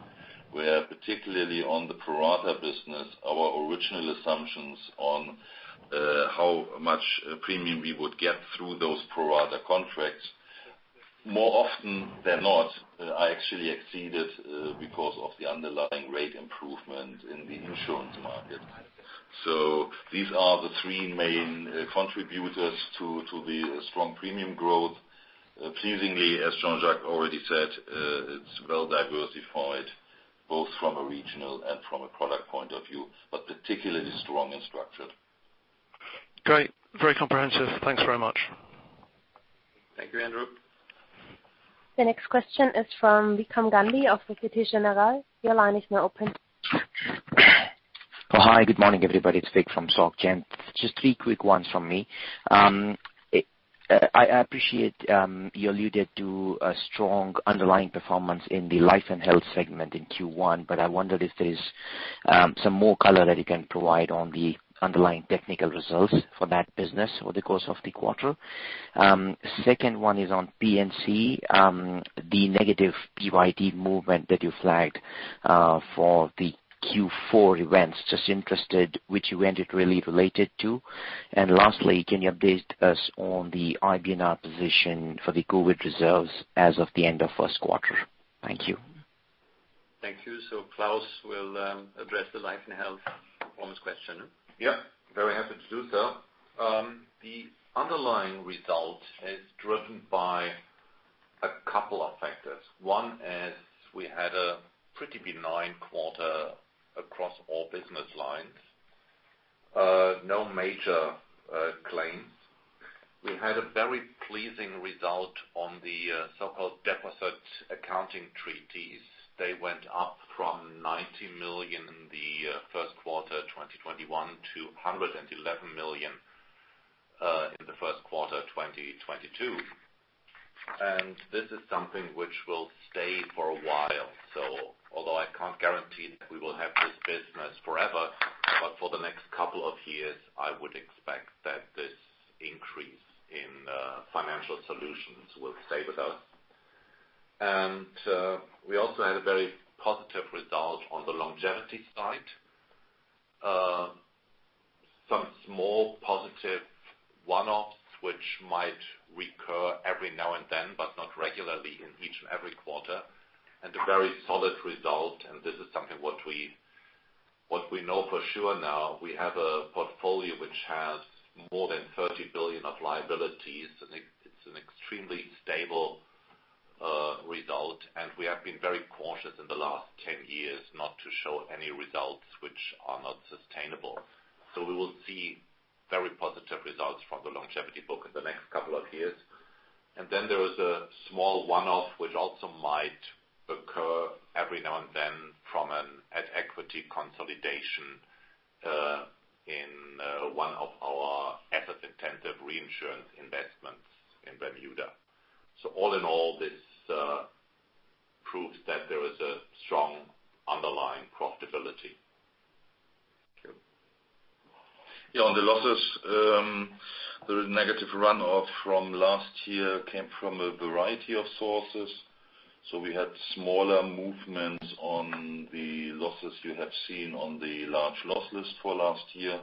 where particularly on the pro rata business, our original assumptions on how much premium we would get through those pro rata contracts more often than not are actually exceeded because of the underlying rate improvement in the insurance market. These are the three main contributors to the strong premium growth. Pleasingly, as Jean-Jacques already said, it's well diversified. Both from a regional and from a product point of view, but particularly strong in structure. Great. Very comprehensive. Thanks very much. Thank you, Andrew. The next question is from Vikram Gandhi of Société Générale. Your line is now open. Oh, hi, good morning, everybody. It's Vik from Société Générale. Just three quick ones from me. I appreciate you alluded to a strong underlying performance in the Life & Health segment in Q1, but I wonder if there's some more color that you can provide on the underlying technical results for that business over the course of the quarter. Second one is on P&C. The negative PYD movement that you flagged for the Q4 events, just interested which event it really related to. Lastly, can you update us on the IBNR position for the COVID reserves as of the end of first quarter? Thank you. Thank you. Klaus will address the Life & Health performance question. Yeah, very happy to do so. The underlying result is driven by a couple of factors. One is we had a pretty benign quarter across all business lines. No major claims. We had a very pleasing result on the so-called deficit accounting treaties. They went up from 90 million in the first quarter 2021 to 111 million in the first quarter 2022. This is something which will stay for a while. Although I can't guarantee that we will have this business forever, but for the next couple of years, I would expect that this increase in financial solutions will stay with us. We also had a very positive result on the longevity side. Some small positive one-offs, which might recur every now and then, but not regularly in each and every quarter. A very solid result, this is something what we know for sure now, we have a portfolio which has more than 30 billion of liabilities. It is an extremely stable result. We have been very cautious in the last 10 years not to show any results which are not sustainable. We will see very positive results from the longevity book in the next couple of years. Then there is a small one-off, which also might occur every now and then from an at-equity consolidation in one of our asset-intensive reinsurance investments in Bermuda. All in all, this proves that there is a strong underlying profitability. Thank you. Yeah, on the losses, the negative runoff from last year came from a variety of sources. We had smaller movements on the losses you have seen on the large loss list for last year.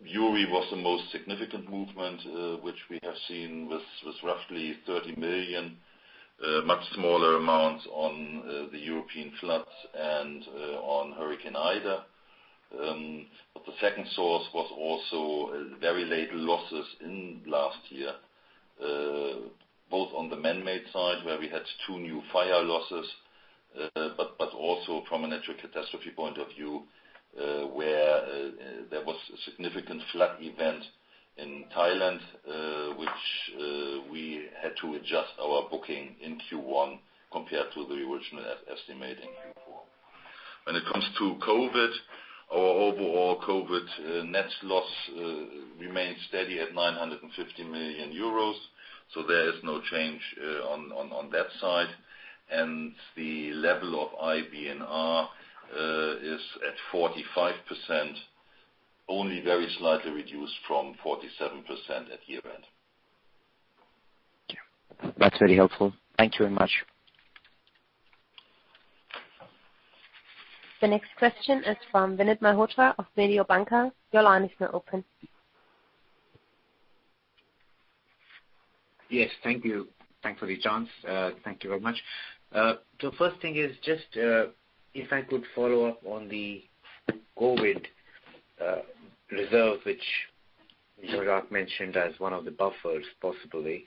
Uri was the most significant movement, which we have seen with roughly 30 million, much smaller amounts on the European floods and on Hurricane Ida. The second source was also very late losses in last year, both on the manmade side, where we had two new fire losses, but also from a natural catastrophe point of view, where there was a significant flood event in Thailand, which we had to adjust our booking in Q1 compared to the original estimate in Q4. When it comes to COVID, our overall COVID net loss remains steady at 950 million euros, so there is no change on that side. The level of IBNR is at 45%, only very slightly reduced from 47% at year end. Thank you. That's very helpful. Thank you very much. The next question is from Vinit Malhotra of Mediobanca. Your line is now open. Yes. Thank you. Thanks for the chance. Thank you very much. First thing is just, if I could follow up on the COVID reserve, which Jean-Jacques mentioned as one of the buffers, possibly.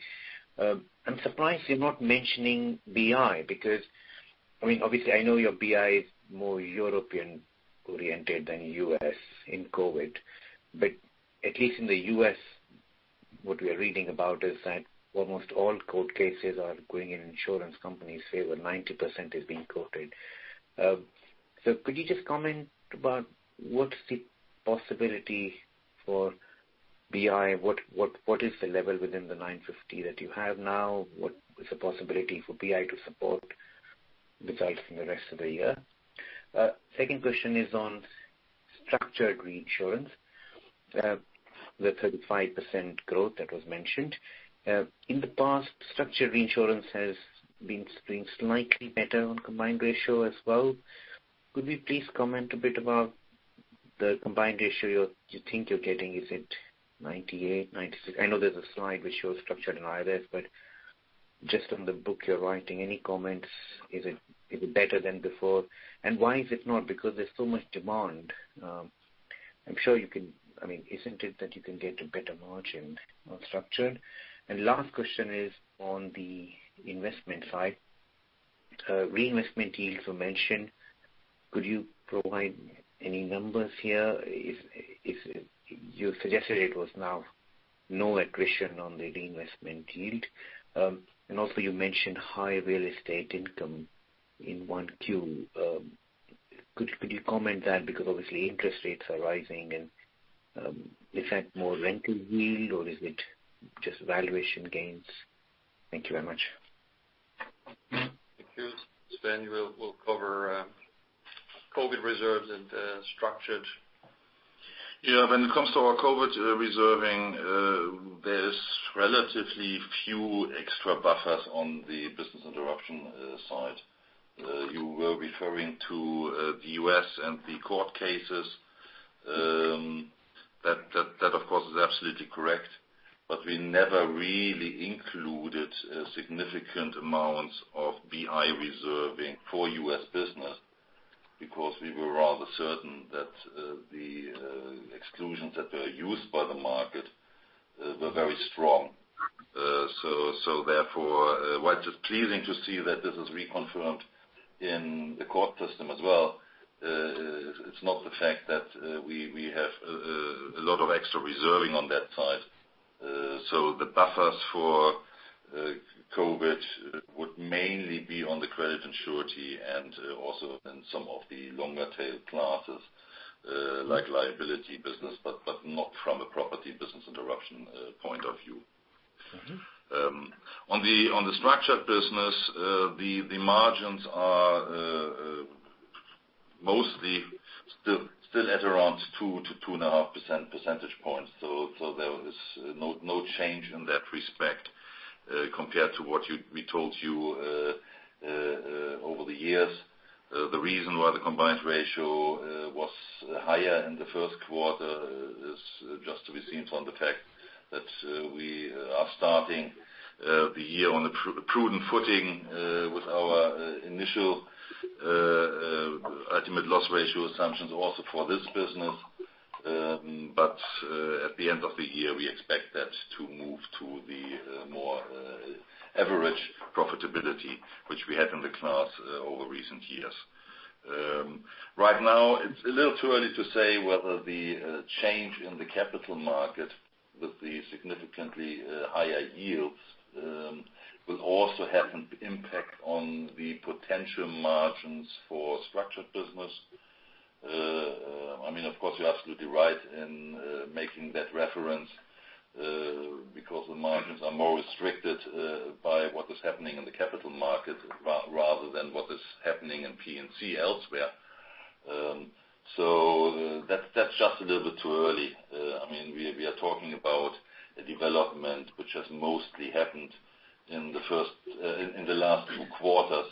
I'm surprised you're not mentioning BI because, I mean, obviously, I know your BI is more European-oriented than U.S. in COVID. At least in the U.S., what we are reading about is that almost all court cases are going in insurance companies' favor, 90% is being quoted. Could you just comment about what's the possibility for BI? What is the level within the 950 that you have now? What is the possibility for BI to support results in the rest of the year? Second question is on structured reinsurance. The 35% growth that was mentioned. In the past, structured reinsurance has been doing slightly better on combined ratio as well. Could we please comment a bit about the combined ratio you're, you think you're getting? Is it 98%, 96%? I know there's a slide which shows structured in IRIS, but just on the book you're writing, any comments, is it better than before? Why is it not? Because there's so much demand, I'm sure you can. I mean, isn't it that you can get a better margin on structured? Last question is on the investment side. Reinvestment yields were mentioned. Could you provide any numbers here? If you suggested it was now no attrition on the reinvestment yield. And also you mentioned high real estate income in 1Q. Could you comment that because obviously interest rates are rising and reflect more rental yield, or is it just valuation gains? Thank you very much. Thank you. Sven, we'll cover COVID reserves and structured. Yeah. When it comes to our COVID reserving, there's relatively few extra buffers on the business interruption side. You were referring to the U.S and the court cases. That of course is absolutely correct. We never really included significant amounts of BI reserving for U.S. business because we were rather certain that the exclusions that were used by the market were very strong. Therefore, while it's pleasing to see that this is reconfirmed in the court system as well, it's not the fact that we have a lot of extra reserving on that side. The buffers for COVID would mainly be on the credit and surety and also in some of the longer tail classes like liability business, but not from a property business interruption point of view. Mm-hmm. On the structured business, the margins are mostly still at around 2-2.5 percentage points. There is no change in that respect compared to what we told you over the years. The reason why the combined ratio was higher in the first quarter is just to be seen from the fact that we are starting the year on a prudent footing with our initial ultimate loss ratio assumptions also for this business. At the end of the year, we expect that to move to the more average profitability which we had in the class over recent years. Right now it's a little too early to say whether the change in the capital market with the significantly higher yields will also have an impact on the potential margins for structured business. I mean, of course you're absolutely right in making that reference, because the margins are more restricted by what is happening in the capital market rather than what is happening in P&C elsewhere. That's just a little bit too early. I mean, we are talking about a development which has mostly happened in the first in the last two quarters.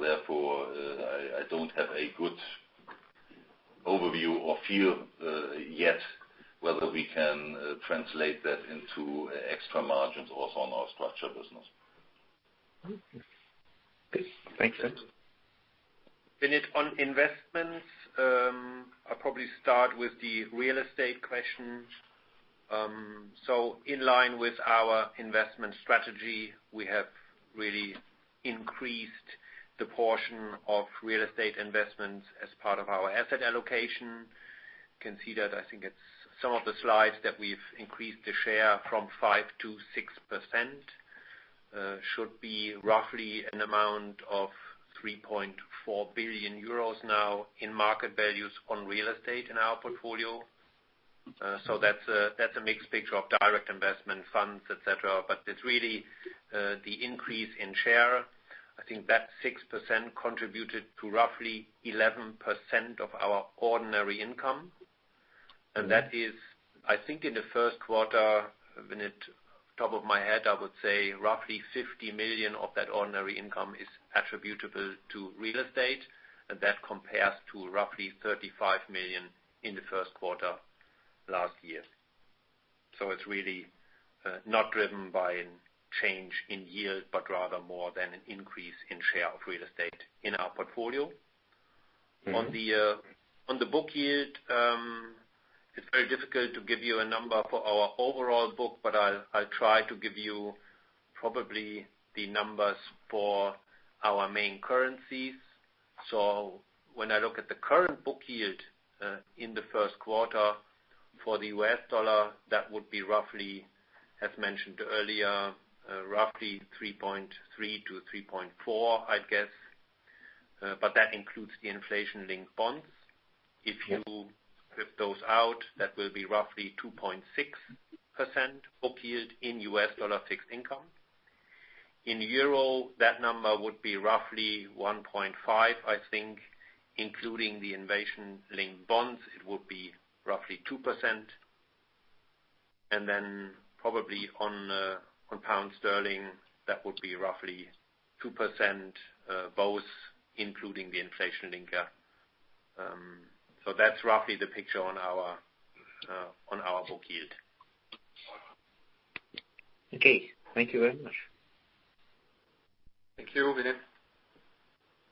Therefore, I don't have a good overview or feel yet whether we can translate that into extra margins also on our structured business. Okay. Thanks. Vinit, on investments, I'll probably start with the real estate question. In line with our investment strategy, we have really increased the portion of real estate investments as part of our asset allocation. Can see that, I think it's some of the slides that we've increased the share from 5%-6%. Should be roughly an amount of 3.4 billion euros now in market values on real estate in our portfolio. That's a mixed picture of direct investment funds, et cetera. It's really the increase in share. I think that 6% contributed to roughly 11% of our ordinary income. That is, I think in the first quarter, Vinit, top of my head, I would say roughly 50 million of that ordinary income is attributable to real estate. That compares to roughly 35 million in the first quarter last year. It's really not driven by change in yield, but rather more than an increase in share of real estate in our portfolio. Mm-hmm. On the book yield, it's very difficult to give you a number for our overall book, but I'll try to give you probably the numbers for our main currencies. When I look at the current book yield in the first quarter for the U.S. dollar, that would be roughly, as mentioned earlier, roughly 3.3%-3.4%, I'd guess. But that includes the inflation-linked bonds. If you clip those out, that will be roughly 2.6% book yield in U.S. dollar fixed income. In euro, that number would be roughly 1.5%, I think, including the inflation-linked bonds, it would be roughly 2%. Then probably on pound sterling, that would be roughly 2%, both including the inflation linker. That's roughly the picture on our book yield. Okay, thank you very much. Thank you, Vinit.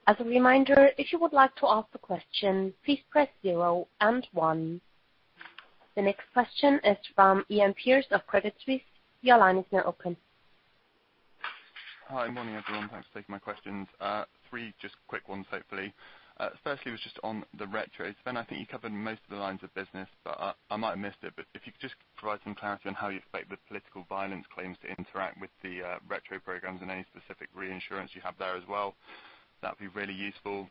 As a reminder, if you would like to ask a question, please press zero and one. The next question is from Iain Pearce of Credit Suisse. Your line is now open. Hi, morning, everyone. Thanks for taking my questions. Three just quick ones, hopefully. First, was just on the retro. Sven, I think you covered most of the lines of business, but I might have missed it, but if you could just provide some clarity on how you expect the political violence claims to interact with the retro programs and any specific reinsurance you have there as well, that'd be really useful.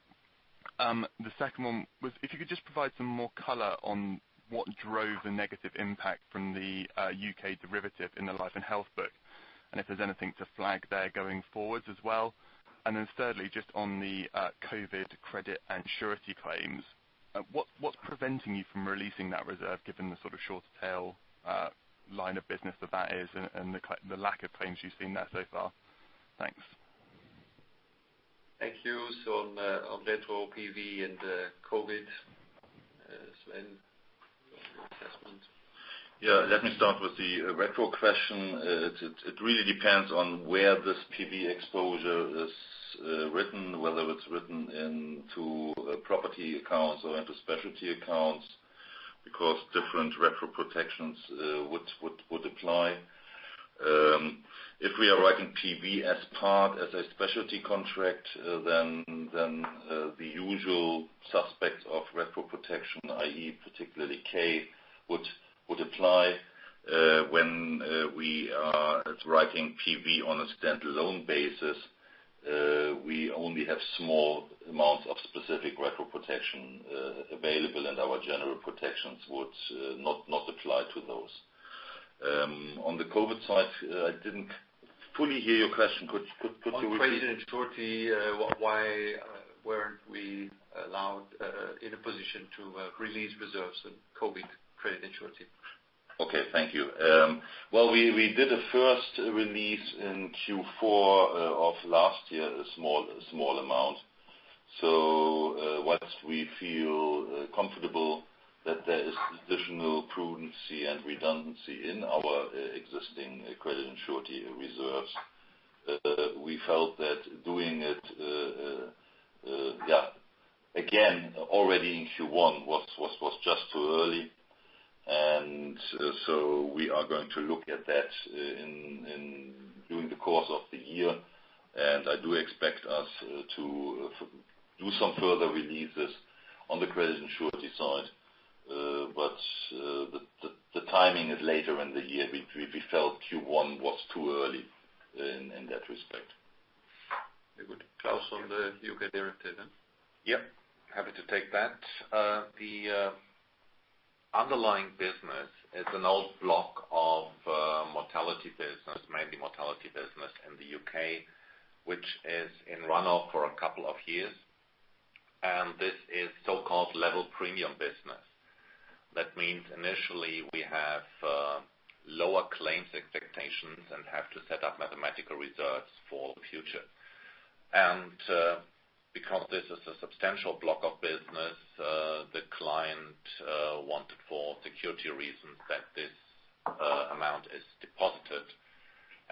The second one was if you could just provide some more color on what drove the negative impact from the U.K. derivative in the Life & Health book, and if there's anything to flag there going forwards as well. Thirdly, just on the COVID credit and surety claims, what's preventing you from releasing that reserve given the sort of shorter tail line of business that that is and the lack of claims you've seen there so far? Thanks. Thank you. On retro PV and COVID, Sven, any assessment? Yeah, let me start with the retro question. It really depends on where this PV exposure is written, whether it's written into property accounts or into specialty accounts, because different retro protections would apply. If we are writing PV as part of a specialty contract, then the usual suspects of retro protection, i.e., particularly K, would apply. When we are writing PV on a standalone basis, we only have small amounts of specific retro protection available, and our general protections would not apply to those. On the COVID side, I didn't fully hear your question. Could you repeat it? On credit and surety, why weren't we allowed in a position to release reserves on COVID credit and surety? Okay, thank you. Well, we did a first release in Q4 of last year, a small amount. Once we feel comfortable that there is additional prudence and redundancy in our existing credit and surety reserves, we felt that doing it again already in Q1 was just too early. We are going to look at that during the course of the year. I do expect us to do some further releases on the credit and surety side. But the timing is later in the year. We felt Q1 was too early in that respect. Very good. Klaus, on the U.K. derivative then. Yeah. Happy to take that. The underlying business is an old block of mortality business, mainly mortality business in the U.K., which is in run-off for a couple of years. This is so-called level premium business. That means initially we have lower claims expectations and have to set up mathematical reserves for the future. Because this is a substantial block of business, the client wanted for security reasons that this amount is deposited.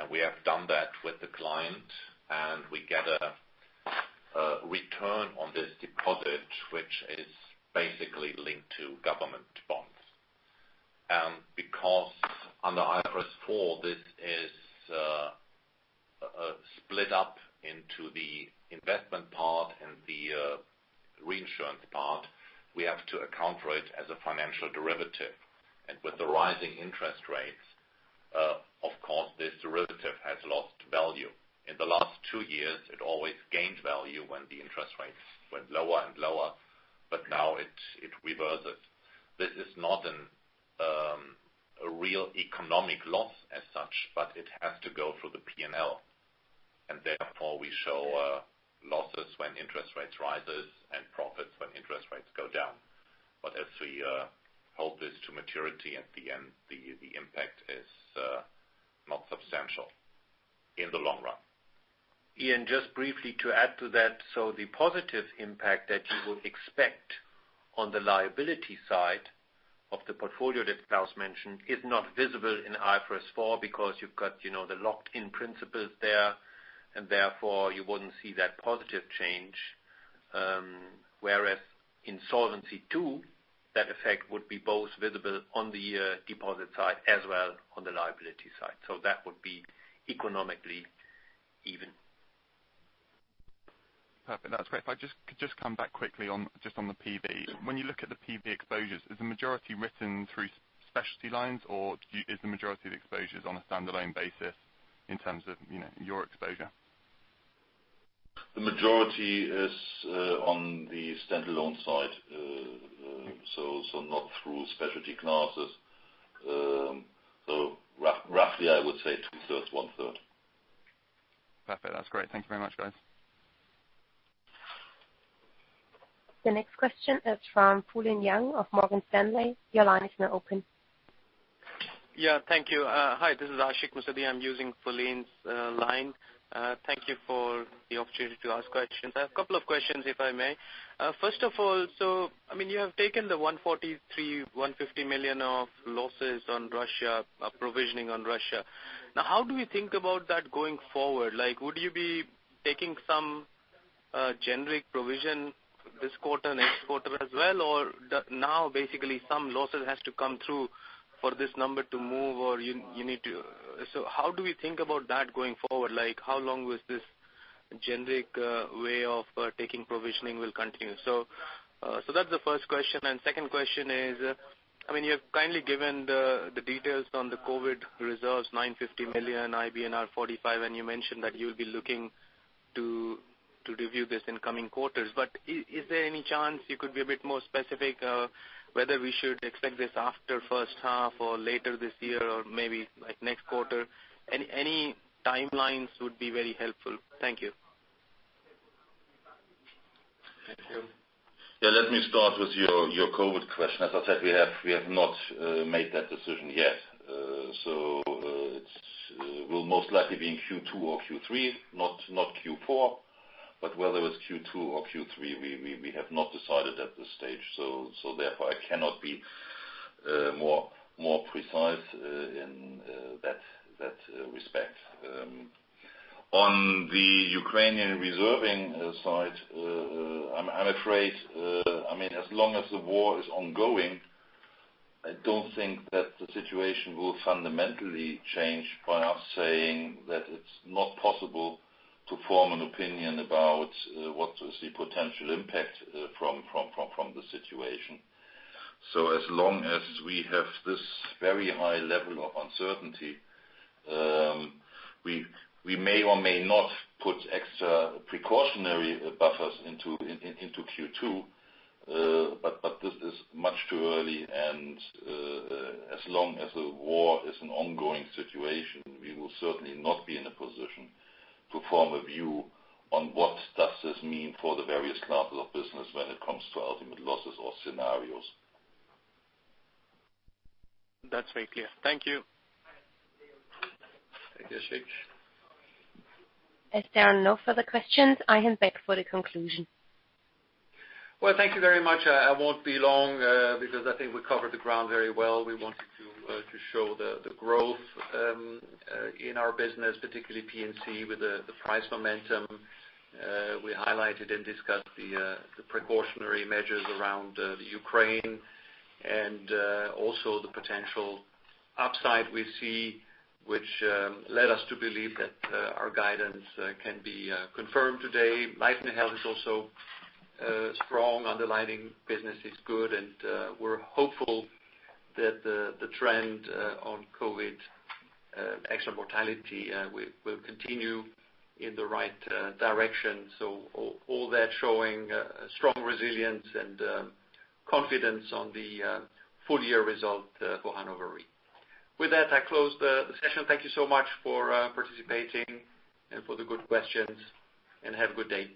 We have done that with the client, and we get a return on this deposit, which is basically linked to government bonds. Because under IFRS 4, this is split up into the investment part and the reinsurance part, we have to account for it as a financial derivative. With the rising interest rates, of course, this derivative has lost value. In the last two years, it always gained value when the interest rates went lower and lower, but now it reverses. This is not a real economic loss as such, but it has to go through the P&L. Therefore, we show losses when interest rates rises and profits when interest rates go down. If we hold this to maturity at the end, the impact is not substantial in the long run. Iain, just briefly to add to that, the positive impact that you would expect on the liability side of the portfolio that Klaus mentioned is not visible in IFRS 4 because you've got, you know, the locked-in principles there, and therefore you wouldn't see that positive change. Whereas in Solvency II, that effect would be both visible on the deposit side as well on the liability side. That would be economically even. Perfect. That's great. If I could just come back quickly on the PV. When you look at the PV exposures, is the majority written through specialty lines, or is the majority of the exposures on a standalone basis in terms of, you know, your exposure? The majority is on the standalone side, so not through specialty classes. Roughly, I would say2/3, 1/3. Perfect. That's great. Thank you very much, guys. The next question is from Fulin Liang of Morgan Stanley. Your line is now open. Yeah, thank you. Hi, this is Ashik Musaddi. I'm using Fulin's line. Thank you for the opportunity to ask questions. I have a couple of questions if I may. First of all, I mean, you have taken the 143 million-150 million of losses on Russia, provisioning on Russia. Now, how do we think about that going forward? Like would you be taking some generic provision this quarter, next quarter as well? Or now basically some losses has to come through for this number to move or you need to. How do we think about that going forward? Like, how long was this generic way of taking provisioning will continue? That's the first question. Second question is, I mean, you have kindly given the details on the COVID reserves, 950 million, IBNR 45, and you mentioned that you'll be looking to review this in coming quarters. Is there any chance you could be a bit more specific, whether we should expect this after first half or later this year, or maybe like next quarter? Any timelines would be very helpful. Thank you. Thank you. Yeah. Let me start with your COVID question. As I said, we have not made that decision yet. It will most likely be in Q2 or Q3, not Q4. Whether it's Q2 or Q3, we have not decided at this stage. Therefore I cannot be more precise in that respect. On the Ukrainian reserving side, I'm afraid, I mean, as long as the war is ongoing, I don't think that the situation will fundamentally change by us saying that it's not possible to form an opinion about what is the potential impact from the situation. As long as we have this very high level of uncertainty, we may or may not put extra precautionary buffers into Q2. But this is much too early and, as long as the war is an ongoing situation, we will certainly not be in a position to form a view on what does this mean for the various classes of business when it comes to ultimate losses or scenarios. That's very clear. Thank you. Thank you, Ashik. As there are no further questions, I hand back for the conclusion. Well, thank you very much. I won't be long, because I think we covered the ground very well. We wanted to show the growth in our business, particularly P&C with the price momentum. We highlighted and discussed the precautionary measures around the Ukraine and also the potential upside we see, which led us to believe that our guidance can be confirmed today. Life & Health is also strong. Underlining business is good, and we're hopeful that the trend on COVID extra mortality will continue in the right direction. All that showing strong resilience and confidence on the full year result for Hannover Re. With that, I close the session. Thank you so much for participating and for the good questions, and have a good day.